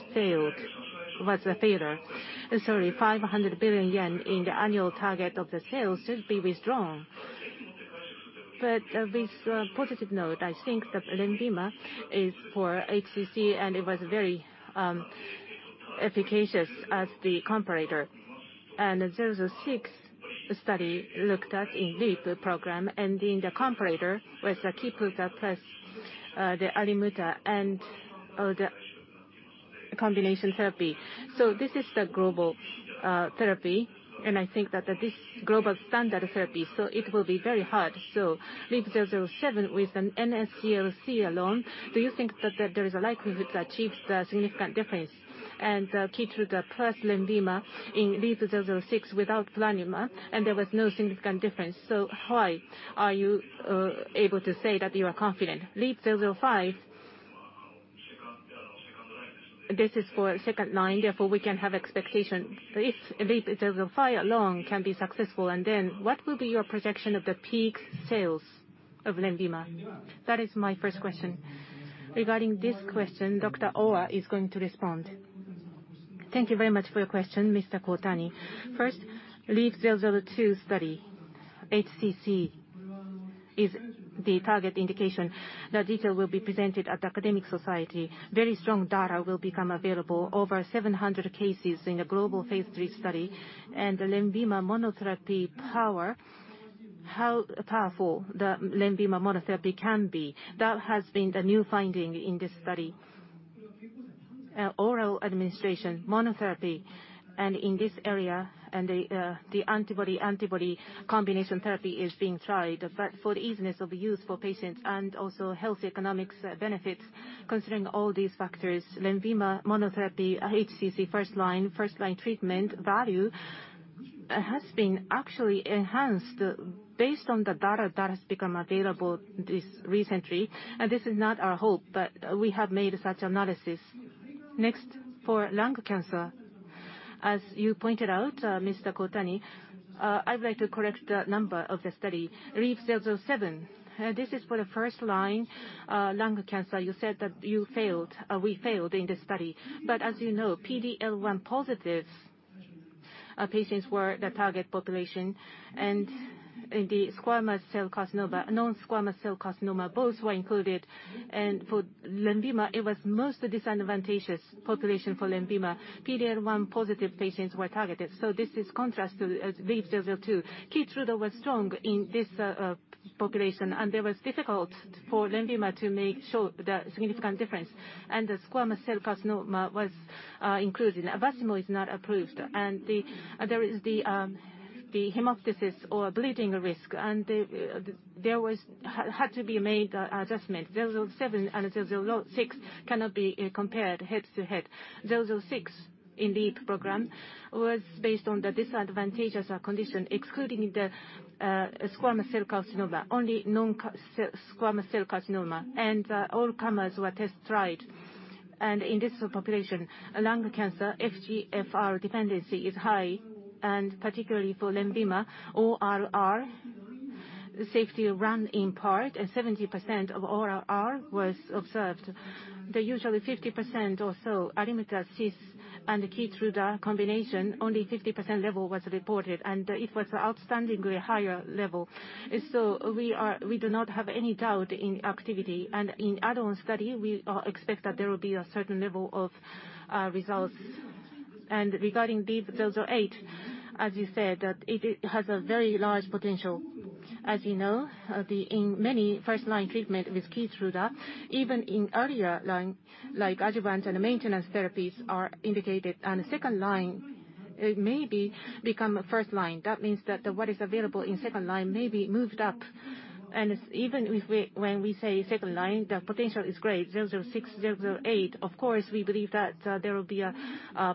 a failure. Sorry, 500 billion yen in the annual target of the sales should be withdrawn. But with a positive note, I think that LENVIMA is for HCC, and it was very efficacious as the comparator. 006 study looked at in LEAP program, and in the comparator was the KEYTRUDA plus, the ALIMTA and, the combination therapy. This is the global therapy, and I think that this global standard therapy, so it will be very hard. LEAP-007 with an NSCLC alone, do you think that there is a likelihood to achieve the significant difference? KEYTRUDA plus LENVIMA in LEAP-006 without platinum and there was no significant difference, so why are you able to say that you are confident? LEAP-005, this is for second line, therefore we can have expectation. If LEAP-005 alone can be successful, and then what will be your projection of the peak sales of LENVIMA? That is my first question. Regarding this question, Dr. Owa is going to respond. Thank you very much for your question, Mr. Kohtani. First, LEAP-002 study. HCC is the target indication. The detail will be presented at academic society. Very strong data will become available. Over 700 cases in a phase III study. The LENVIMA monotherapy power, how powerful the LENVIMA monotherapy can be. That has been the new finding in this study. Oral administration monotherapy and in this area, the antibody combination therapy is being tried. But for the easiness of use for patients and also health economics benefits, considering all these factors, LENVIMA monotherapy HCC first line treatment value has been actually enhanced based on the data that has become available recently. This is not our hope, but we have made such analysis. Next, for lung cancer. As you pointed out, Mr. Kohtani, I would like to correct the number of the study. LEAP-007, this is for the first-line lung cancer. You said that we failed in the study. As you know, PD-L1 positive patients were the target population. The squamous cell carcinoma, non-squamous cell carcinoma, both were included. For LENVIMA, it was most disadvantageous population for LENVIMA. PD-L1 positive patients were targeted, so this is in contrast to LEAP-002. KEYTRUDA was strong in this population, and it was difficult for LENVIMA to ensure the significant difference. The squamous cell carcinoma was included. Avastin is not approved. There is the hemoptysis or bleeding risk. Adjustments had to be made. LEAP-007 and LEAP-006 cannot be compared head to head. 006 in LEAP program was based on the disadvantageous condition, excluding the squamous cell carcinoma. Only non-squamous cell carcinoma. All comers were tested. In this population, lung cancer, FGFR dependency is high. Particularly for LENVIMA, ORR safety run-in part, 70% of ORR was observed. The usual 50% or so ALIMTA cisplatin and KEYTRUDA combination, only 50% level was reported, and it was outstandingly higher level. We do not have any doubt in activity. In add-on study, we expect that there will be a certain level of results. Regarding LEAP-008, as you said, it has a very large potential. As you know, in many first-line treatment with KEYTRUDA, even in earlier line, like adjuvant and maintenance therapies are indicated. Second line, it may become first line. That means that what is available in second line may be moved up. Even if we, when we say second line, the potential is great. LEAP-006, LEAP-008, of course, we believe that there will be a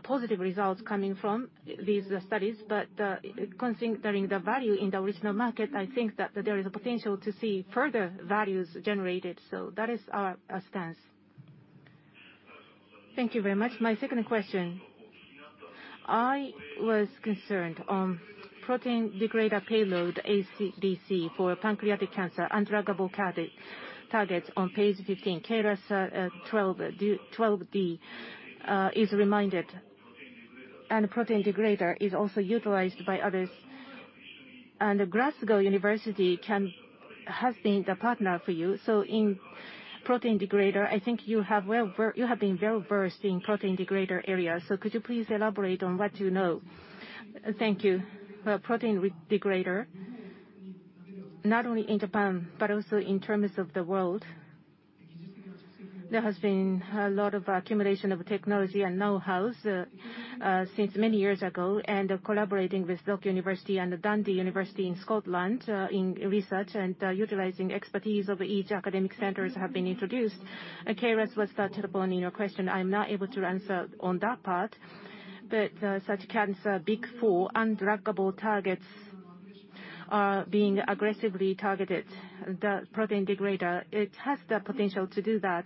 positive results coming from these studies. Considering the value in the original market, I think that there is a potential to see further values generated. That is our stance. Thank you very much. My second question. I was concerned on protein degrader payload ADC for pancreatic cancer undruggable targets on page 15. KRAS G12D is mentioned. Protein degrader is also utilized by others. University of Glasgow has been the partner for you. In protein degrader, I think you have been well-versed in protein degrader area. Could you please elaborate on what you know? Thank you. Protein degrader, not only in Japan, but also in terms of the world, there has been a lot of accumulation of technology and know-hows, since many years ago. Collaborating with University of York and University of Dundee in Scotland, in research and, utilizing expertise of each academic centers have been introduced. KRAS was touched upon in your question. I'm not able to answer on that part. Such cancer, big four undruggable targets are being aggressively targeted. The protein degrader, it has the potential to do that.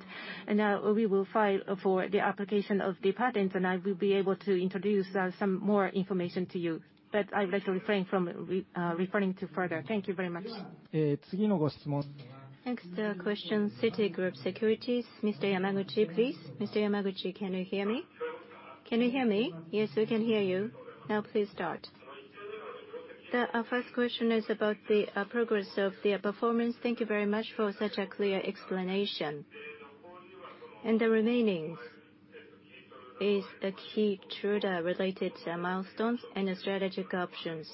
We will file for the application of the patent, and I will be able to introduce, some more information to you. I would like to refrain from referring to further. Thank you very much. Next, question, Citigroup Securities, Mr. Yamaguchi, please. Mr. Yamaguchi, can you hear me? Yes, we can hear you. Now please start. The first question is about the progress of the performance. Thank you very much for such a clear explanation. The remaining is the KEYTRUDA-related milestones and the strategic options.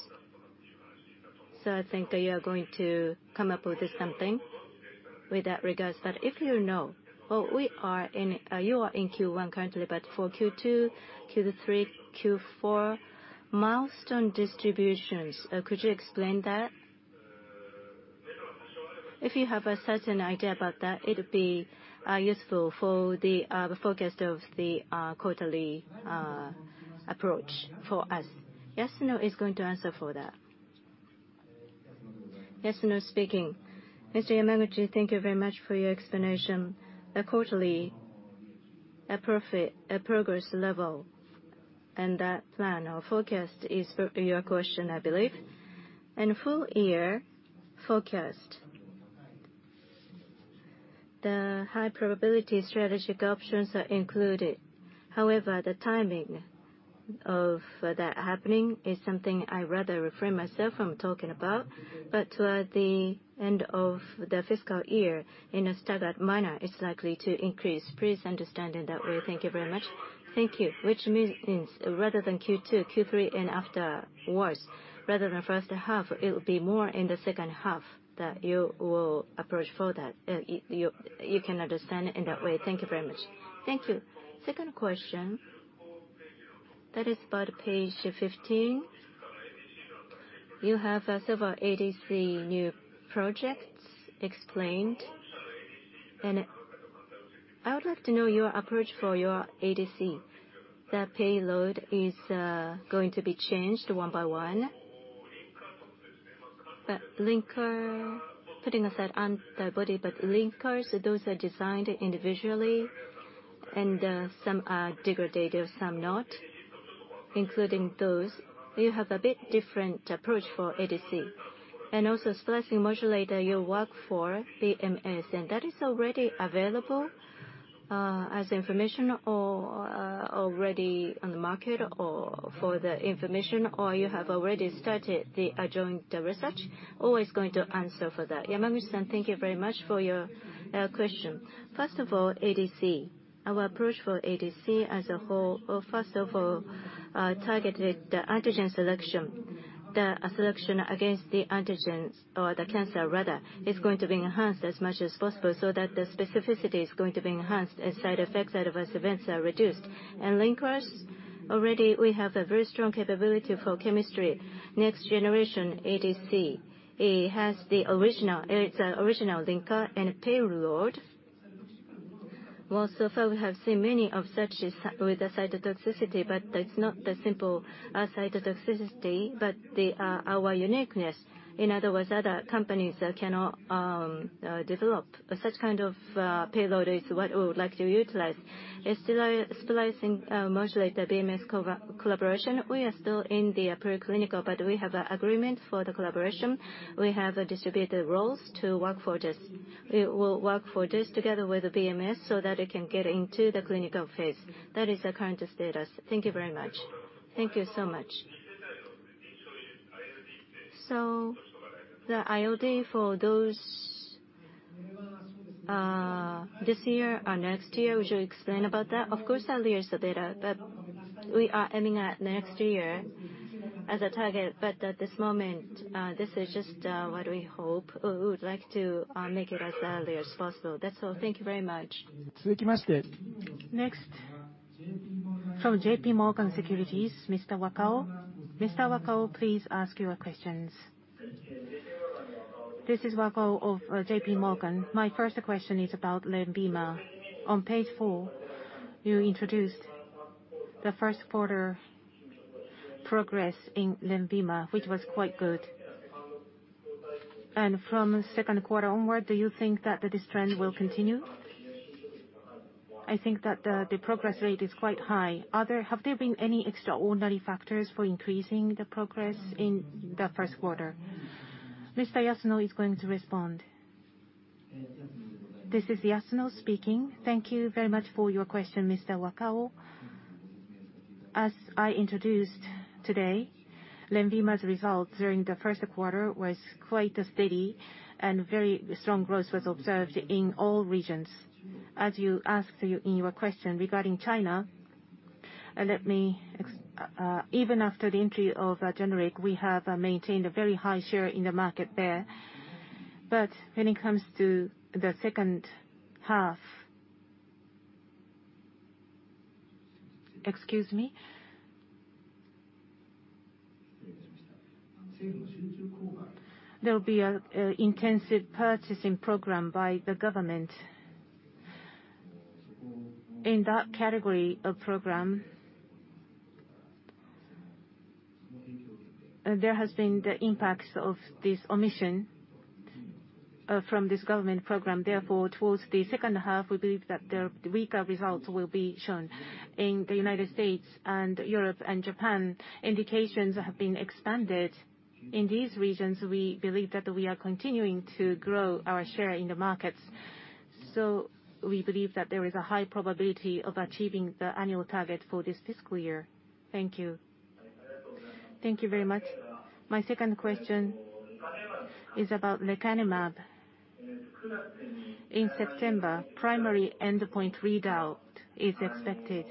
I think that you are going to come up with something with that regards. You know, we are in Q1 currently, but for Q2, Q3, Q4 milestone distributions, could you explain that? If you have a certain idea about that, it would be useful for the forecast of the quarterly approach for us. Tatsuyuki Yasuno is going to answer for that. Tatsuyuki Yasuno speaking. Mr. Yamaguchi, thank you very much for your explanation. The quarterly profit progress level and plan or forecast is for your question, I believe. full-year forecast. The high probability strategic options are included. However, the timing of that happening is something I rather refrain myself from talking about. Toward the end of the fiscal year in a staggered manner, it's likely to increase. Please understand it that way. Thank you very much. Thank you. Which means rather than Q2, Q3 and afterwards, rather than first half, it'll be more in the second half that you will approach for that. You can understand it in that way. Thank you very much. Thank you. Second question, that is about page 15. You have several ADC new projects explained. I would like to know your approach for your ADC. The payload is going to be changed one by one. Linker, putting aside antibody, but linkers, those are designed individually and some are degradable, some not. Including those, you have a bit different approach for ADC. Also, splicing modulator, you work for BMS, and that is already available, as information or, already on the market or for the information, or you have already started the joint research. Who is going to answer for that? Mr. Yamaguchi, thank you very much for your question. First of all, ADC. Our approach for ADC as a whole, first of all, to the antigen selection. The selection against the antigens or the cancer rather, is going to be enhanced as much as possible so that the specificity is going to be enhanced and side effects, adverse events are reduced. Linkers, already we have a very strong capability for chemistry. Next generation ADC, it has the original linker and payload. Well, so far we have seen many of such with the cytotoxicity, but it's not the simple cytotoxicity, but our uniqueness. In other words, other companies cannot develop. Such kind of payload is what we would like to utilize. Splicing modulator BMS collaboration, we are still in the preclinical, but we have an agreement for the collaboration. We have distributed roles to work for this. We will work for this together with BMS so that it can get into the clinical phase. That is the current status. Thank you very much. Thank you so much. The ILD for those this year or next year, would you explain about that? Of course, earlier is better, but we are aiming at next year as a target. At this moment, this is just what we hope. We would like to make it as early as possible. That's all. Thank you very much. Next, from JPMorgan Securities, Mr. Wakao. Mr. Wakao, please ask your questions. This is Wakao of JPMorgan. My first question is about LENVIMA. On page four, you introduced the first quarter progress in LENVIMA, which was quite good. From second quarter onward, do you think that this trend will continue? I think that the progress rate is quite high. Have there been any extraordinary factors for increasing the progress in the first quarter? Mr. Yasuno is going to respond. This is Yasuno speaking. Thank you very much for your question, Mr. Wakao. As I introduced today, LENVIMA's results during the first quarter was quite steady and very strong growth was observed in all regions. As you asked in your question regarding China, even after the entry of generic, we have maintained a very high share in the market there. When it comes to the second half. Excuse me. There will be a intensive purchasing program by the government. In that category of program, there has been the impacts of this omission from this government program. Therefore, towards the second half, we believe that the weaker results will be shown. In the United States and Europe and Japan, indications have been expanded. In these regions, we believe that we are continuing to grow our share in the markets. We believe that there is a high probability of achieving the annual target for this fiscal year. Thank you. Thank you very much. My second question is about lecanemab. In September, primary endpoint readout is expected.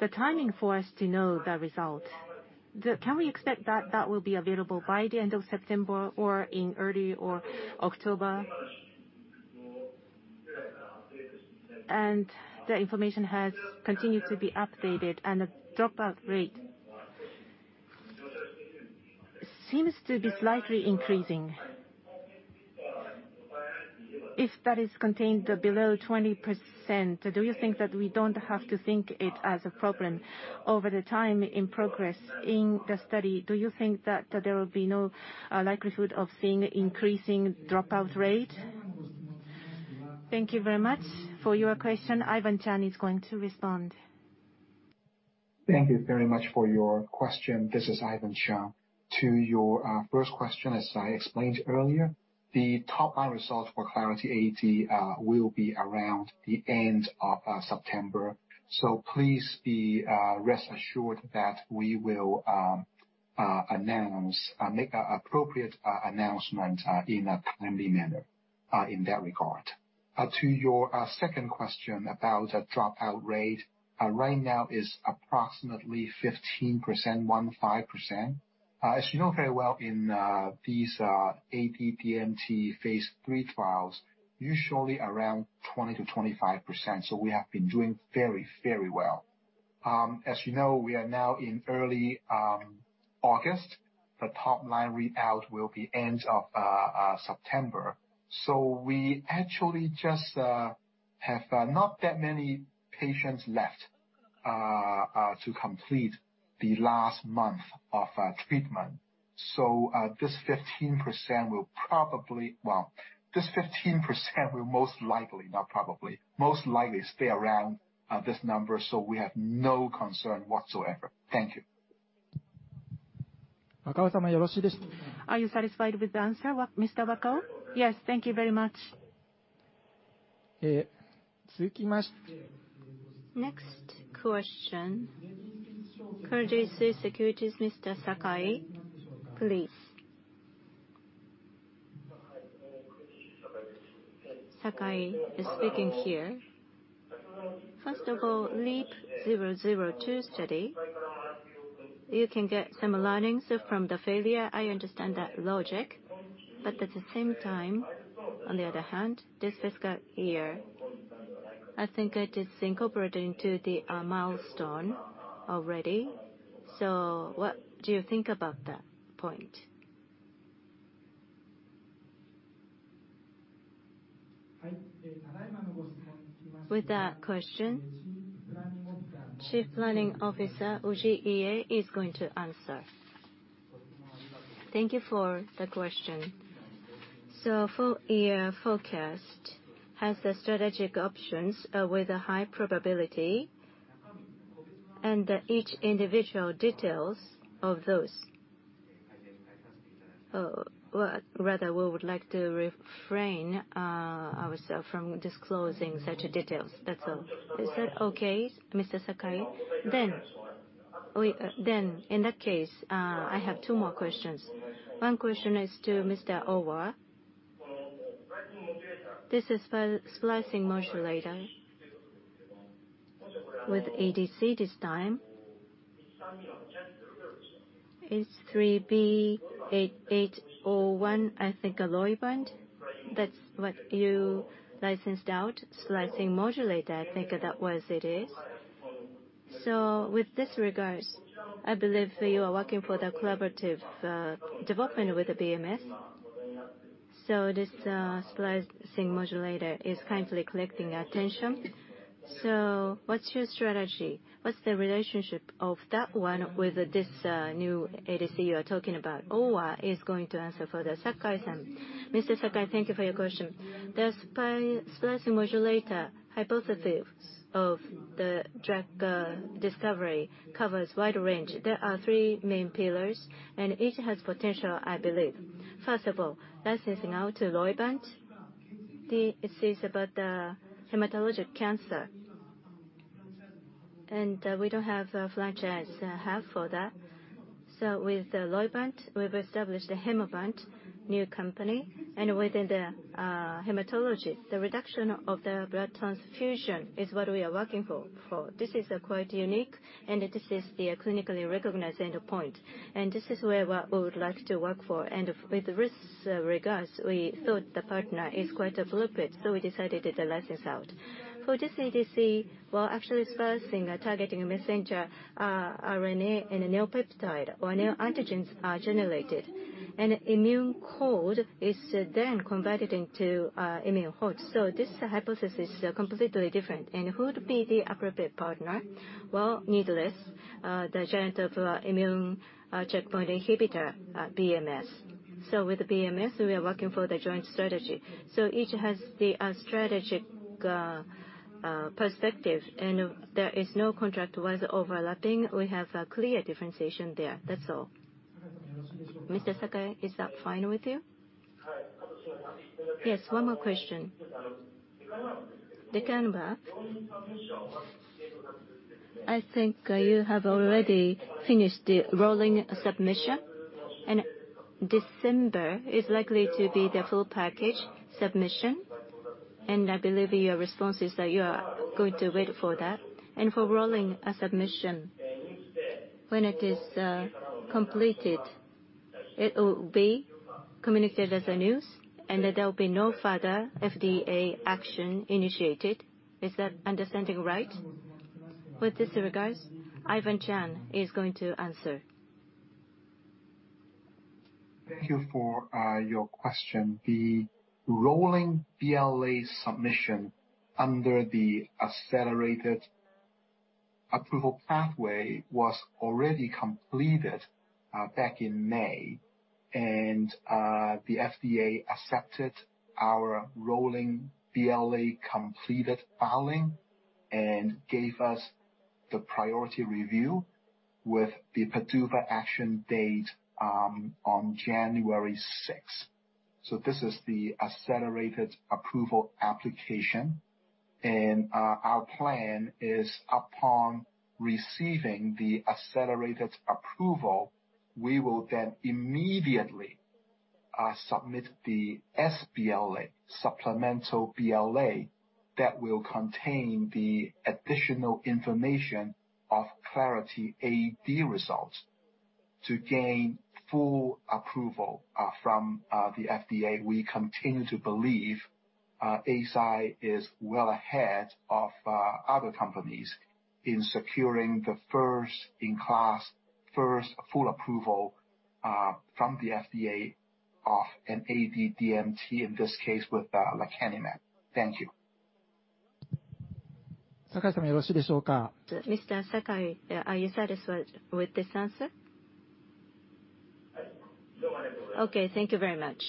The timing for us to know the result. Can we expect that that will be available by the end of September or in early October? The information has continued to be updated, and the dropout rate seems to be slightly increasing. If that is contained below 20%, do you think that we don't have to think it as a problem over the time in progress in the study? Do you think that there will be no likelihood of seeing increasing dropout rate? Thank you very much for your question. Ivan Cheung is going to respond. Thank you very much for your question. This is Ivan Cheung. To your first question, as I explained earlier, the top line results for Clarity AD will be around the end of September. Please rest assured that we will make an appropriate announcement in a timely manner in that regard. To your second question about the dropout rate, right now is approximately 15%, 15%. As you know very well, in these phase III trials, usually around 20%-25%. We have been doing very, very well. As you know, we are now in early August. The top line readout will be end of September. We actually just have not that many patients left to complete the last month of treatment. This 15% will most likely, not probably, most likely stay around this number. We have no concern whatsoever. Thank you. Are you satisfied with the answer, Mr. Wakao? Yes, thank you very much. Next question, Credit Suisse Securities, Mr. Sakai, please. Sakai is speaking here. First of all, LEAP-002 study, you can get some learnings from the failure. I understand that logic. At the same time, on the other hand, this fiscal year, I think it is incorporated into the milestone already. What do you think about that point? With that question, Chief Planning Officer, Ujiie is going to answer. Thank you for the question. full-year forecast has the strategic options with a high probability and each individual details of those. Well, rather, we would like to refrain ourselves from disclosing such details. That's all. Is that okay, Mr. Sakai? In that case, I have two more questions. One question is to Mr. Owa. This is for splicing modulator with ADC this time. It's H3B-8800, I think H3 Biomedicine. That's what you licensed out, splicing modulator, I think that was it. With this regard, I believe you are working on the collaborative development with the BMS. This splicing modulator is currently gaining attention. What's your strategy? What's the relationship of that one with this new ADC you are talking about? Takashi Owa is going to answer for Mr. Sakai. Mr. Sakai, thank you for your question. The splicing modulator hypothesis of the drug discovery covers wide range. There are three main pillars, and each has potential, I believe. First of all, licensing out to Roivant. This is about the hematologic cancer, and we don't have a franchise in that. With Roivant, we've established a new Hemavant company and within the hematology, the reduction of the blood transfusion is what we are working for. This is quite unique and this is the clinically recognized endpoint. This is where we would like to work for. With this regard, we thought the partner is quite appropriate, so we decided to license out. For this ADC, while actually splicing targeting messenger RNA and a neoepitope or neoantigens are generated and immune cold is then converted into immune hot. This hypothesis is completely different. Who would be the appropriate partner? Well, needless the giant of immune checkpoint inhibitor BMS. With BMS, we are working for the joint strategy. Each has the strategic perspective and there is no contract was overlapping. We have a clear differentiation there. That's all. Mr. Sakai, is that fine with you? Yes, one more question. Dr. Owa, I think you have already finished the rolling submission. December is likely to be the full package submission, and I believe your response is that you are going to wait for that. For the rolling submission when it is completed, it will be communicated as news, and there'll be no further FDA action initiated. Is that understanding right? With regards to this, Ivan Cheung is going to answer. Thank you for your question. The rolling BLA submission under the accelerated approval pathway was already completed back in May. The FDA accepted our rolling BLA completed filing and gave us the priority review with the PDUFA action date on January 6th. This is the accelerated approval application. Our plan is upon receiving the accelerated approval, we will then immediately submit the sBLA, supplemental BLA, that will contain the additional information of Clarity AD results to gain full approval from the FDA. We continue to believe Eisai is well ahead of other companies in securing the first-in-class first full approval from the FDA of an AD-DMT, in this case, with lecanemab. Thank you. Mr. Sakai, are you satisfied with this answer? Yes. Okay, thank you very much.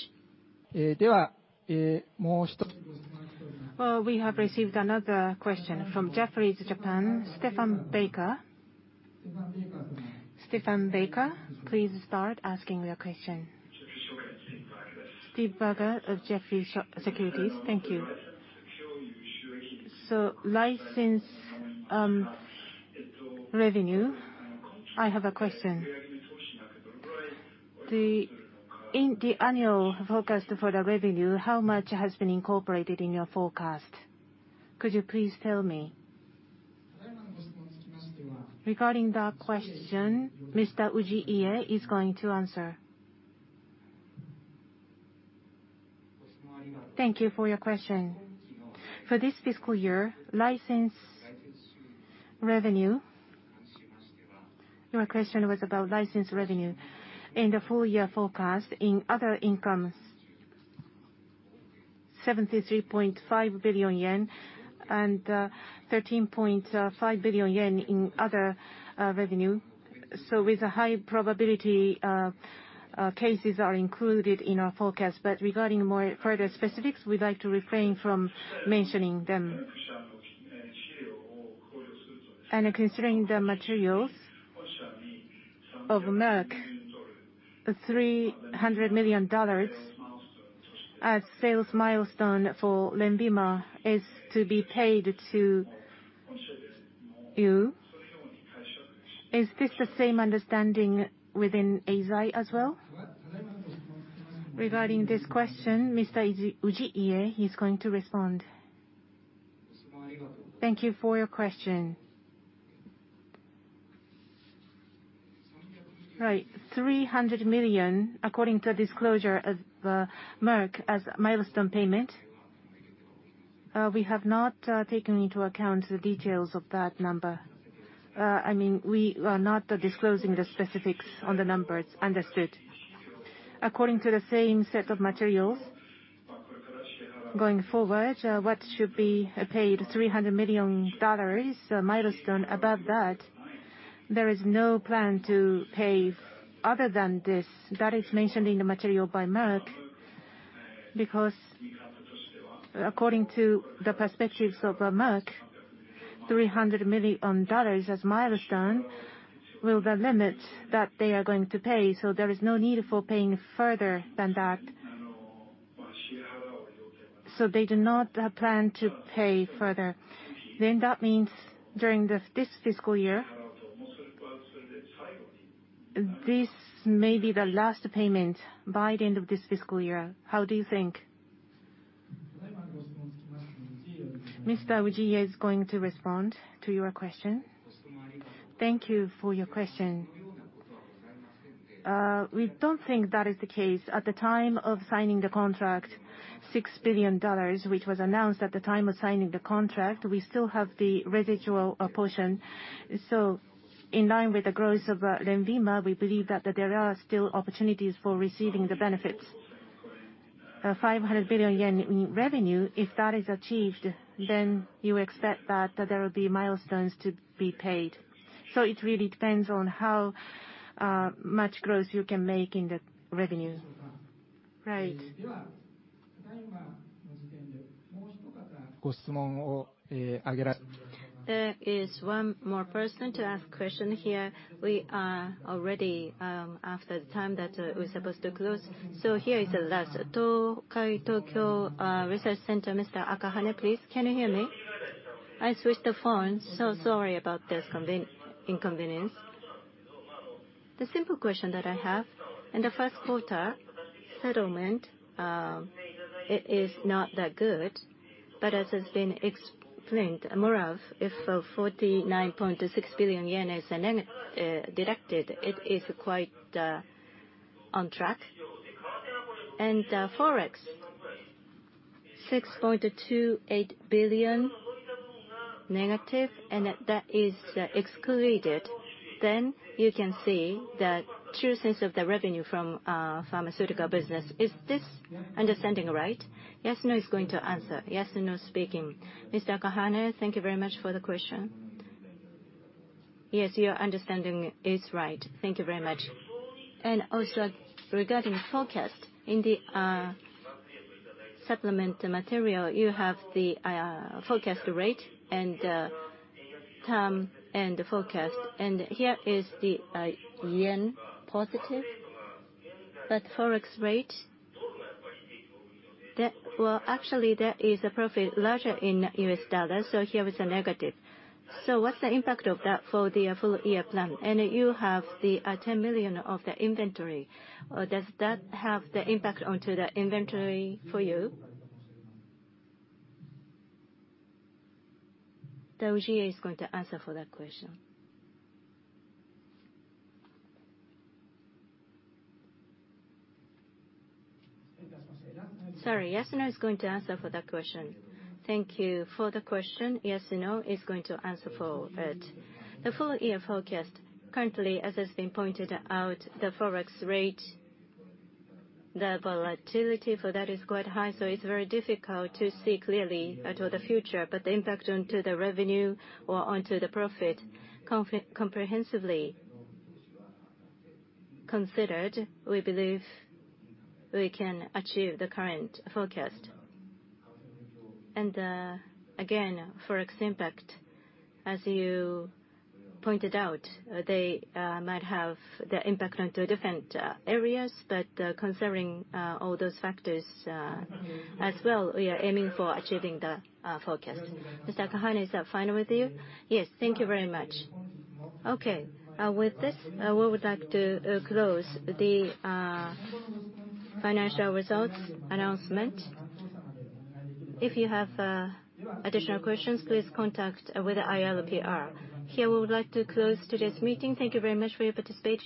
We have received another question from Jefferies Japan, Stephen Barker. Stephen Barker, please start asking your question. Stephen Barker of Jefferies. Thank you. License revenue, I have a question. In the annual forecast for the revenue, how much has been incorporated in your forecast? Could you please tell me? Regarding that question, Mr. Ujiie is going to answer. Thank you for your question. For this fiscal year, license revenue. Your question was about license revenue. In the full-year forecast, in other income, 73.5 billion yen and 13.5 billion yen n other revenue. With a high probability, cases are included in our forecast. Regarding more further specifics, we'd like to refrain from mentioning them. Considering the materials of Merck, the $300 million as sales milestone for LENVIMA is to be paid to you. Is this the same understanding within Eisai as well? Regarding this question, Mr. Ujiie is going to respond. Thank you for your question. Right. $300 million, according to the disclosure of Merck as milestone payment, we have not taken into account the details of that number. I mean, we are not disclosing the specifics on the numbers. Understood. According to the same set of materials, going forward, what should be paid $300 million milestone above that, there is no plan to pay other than this. That is mentioned in the material by Merck because according to the perspectives of Merck, $300 million as milestone will the limit that they are going to pay, so there is no need for paying further than that. They do not plan to pay further. That means during this fiscal year, this may be the last payment by the end of this fiscal year. How do you think? Mr. Ujiie is going to respond to your question. Thank you for your question. We don't think that is the case. At the time of signing the contract, $6 billion, which was announced at the time of signing the contract, we still have the residual portion. In line with the growth of LENVIMA, we believe that there are still opportunities for receiving the benefits. 500 billion yen in revenue, if that is achieved, then you expect that there will be milestones to be paid. It really depends on how much growth you can make in the revenue. Right. There is one more person to ask question here. We are already after the time that we're supposed to close. Here is the last. Tokai Tokyo Research Center, Mr. Akahane, please. Can you hear me? I switched the phone, so sorry about this inconvenience. The simple question that I have, in the first quarter settlement, it is not that good, but as has been explained, moreover, if 49.6 billion yen is deducted, it is quite on track. Forex, 6.28 billion negative, and that is excluded, then you can see the true sense of the revenue from pharmaceutical business. Is this understanding right? Yasuno is going to answer. Yasuno speaking. Mr. Akahane, thank you very much for the question. Yes, your understanding is right. Thank you very much. Also regarding forecast, in the supplement material, you have the forecast rate and term and the forecast. Here is the yen positive, that Forex rate. Well, actually, that is a profit larger in U.S. dollars, so here it's a negative. What's the impact of that for the full-year plan? You have the 10 million of the inventory. Does that have the impact onto the inventory for you? Sorry, Yasuno is going to answer for that question. Thank you for the question. Yasuno is going to answer for it. The full-year forecast, currently, as has been pointed out, the Forex rate, the volatility for that is quite high, so it's very difficult to see clearly toward the future. The impact onto the revenue or onto the profit comprehensively considered, we believe we can achieve the current forecast. Again, Forex impact, as you pointed out, they might have the impact onto different areas, but considering all those factors as well, we are aiming for achieving the forecast. Mr. Akahane, is that fine with you? Yes. Thank you very much. Okay. With this, we would like to close the financial results announcement. If you have additional questions, please contact with IR/PR. Here, we would like to close today's meeting. Thank you very much for your participation.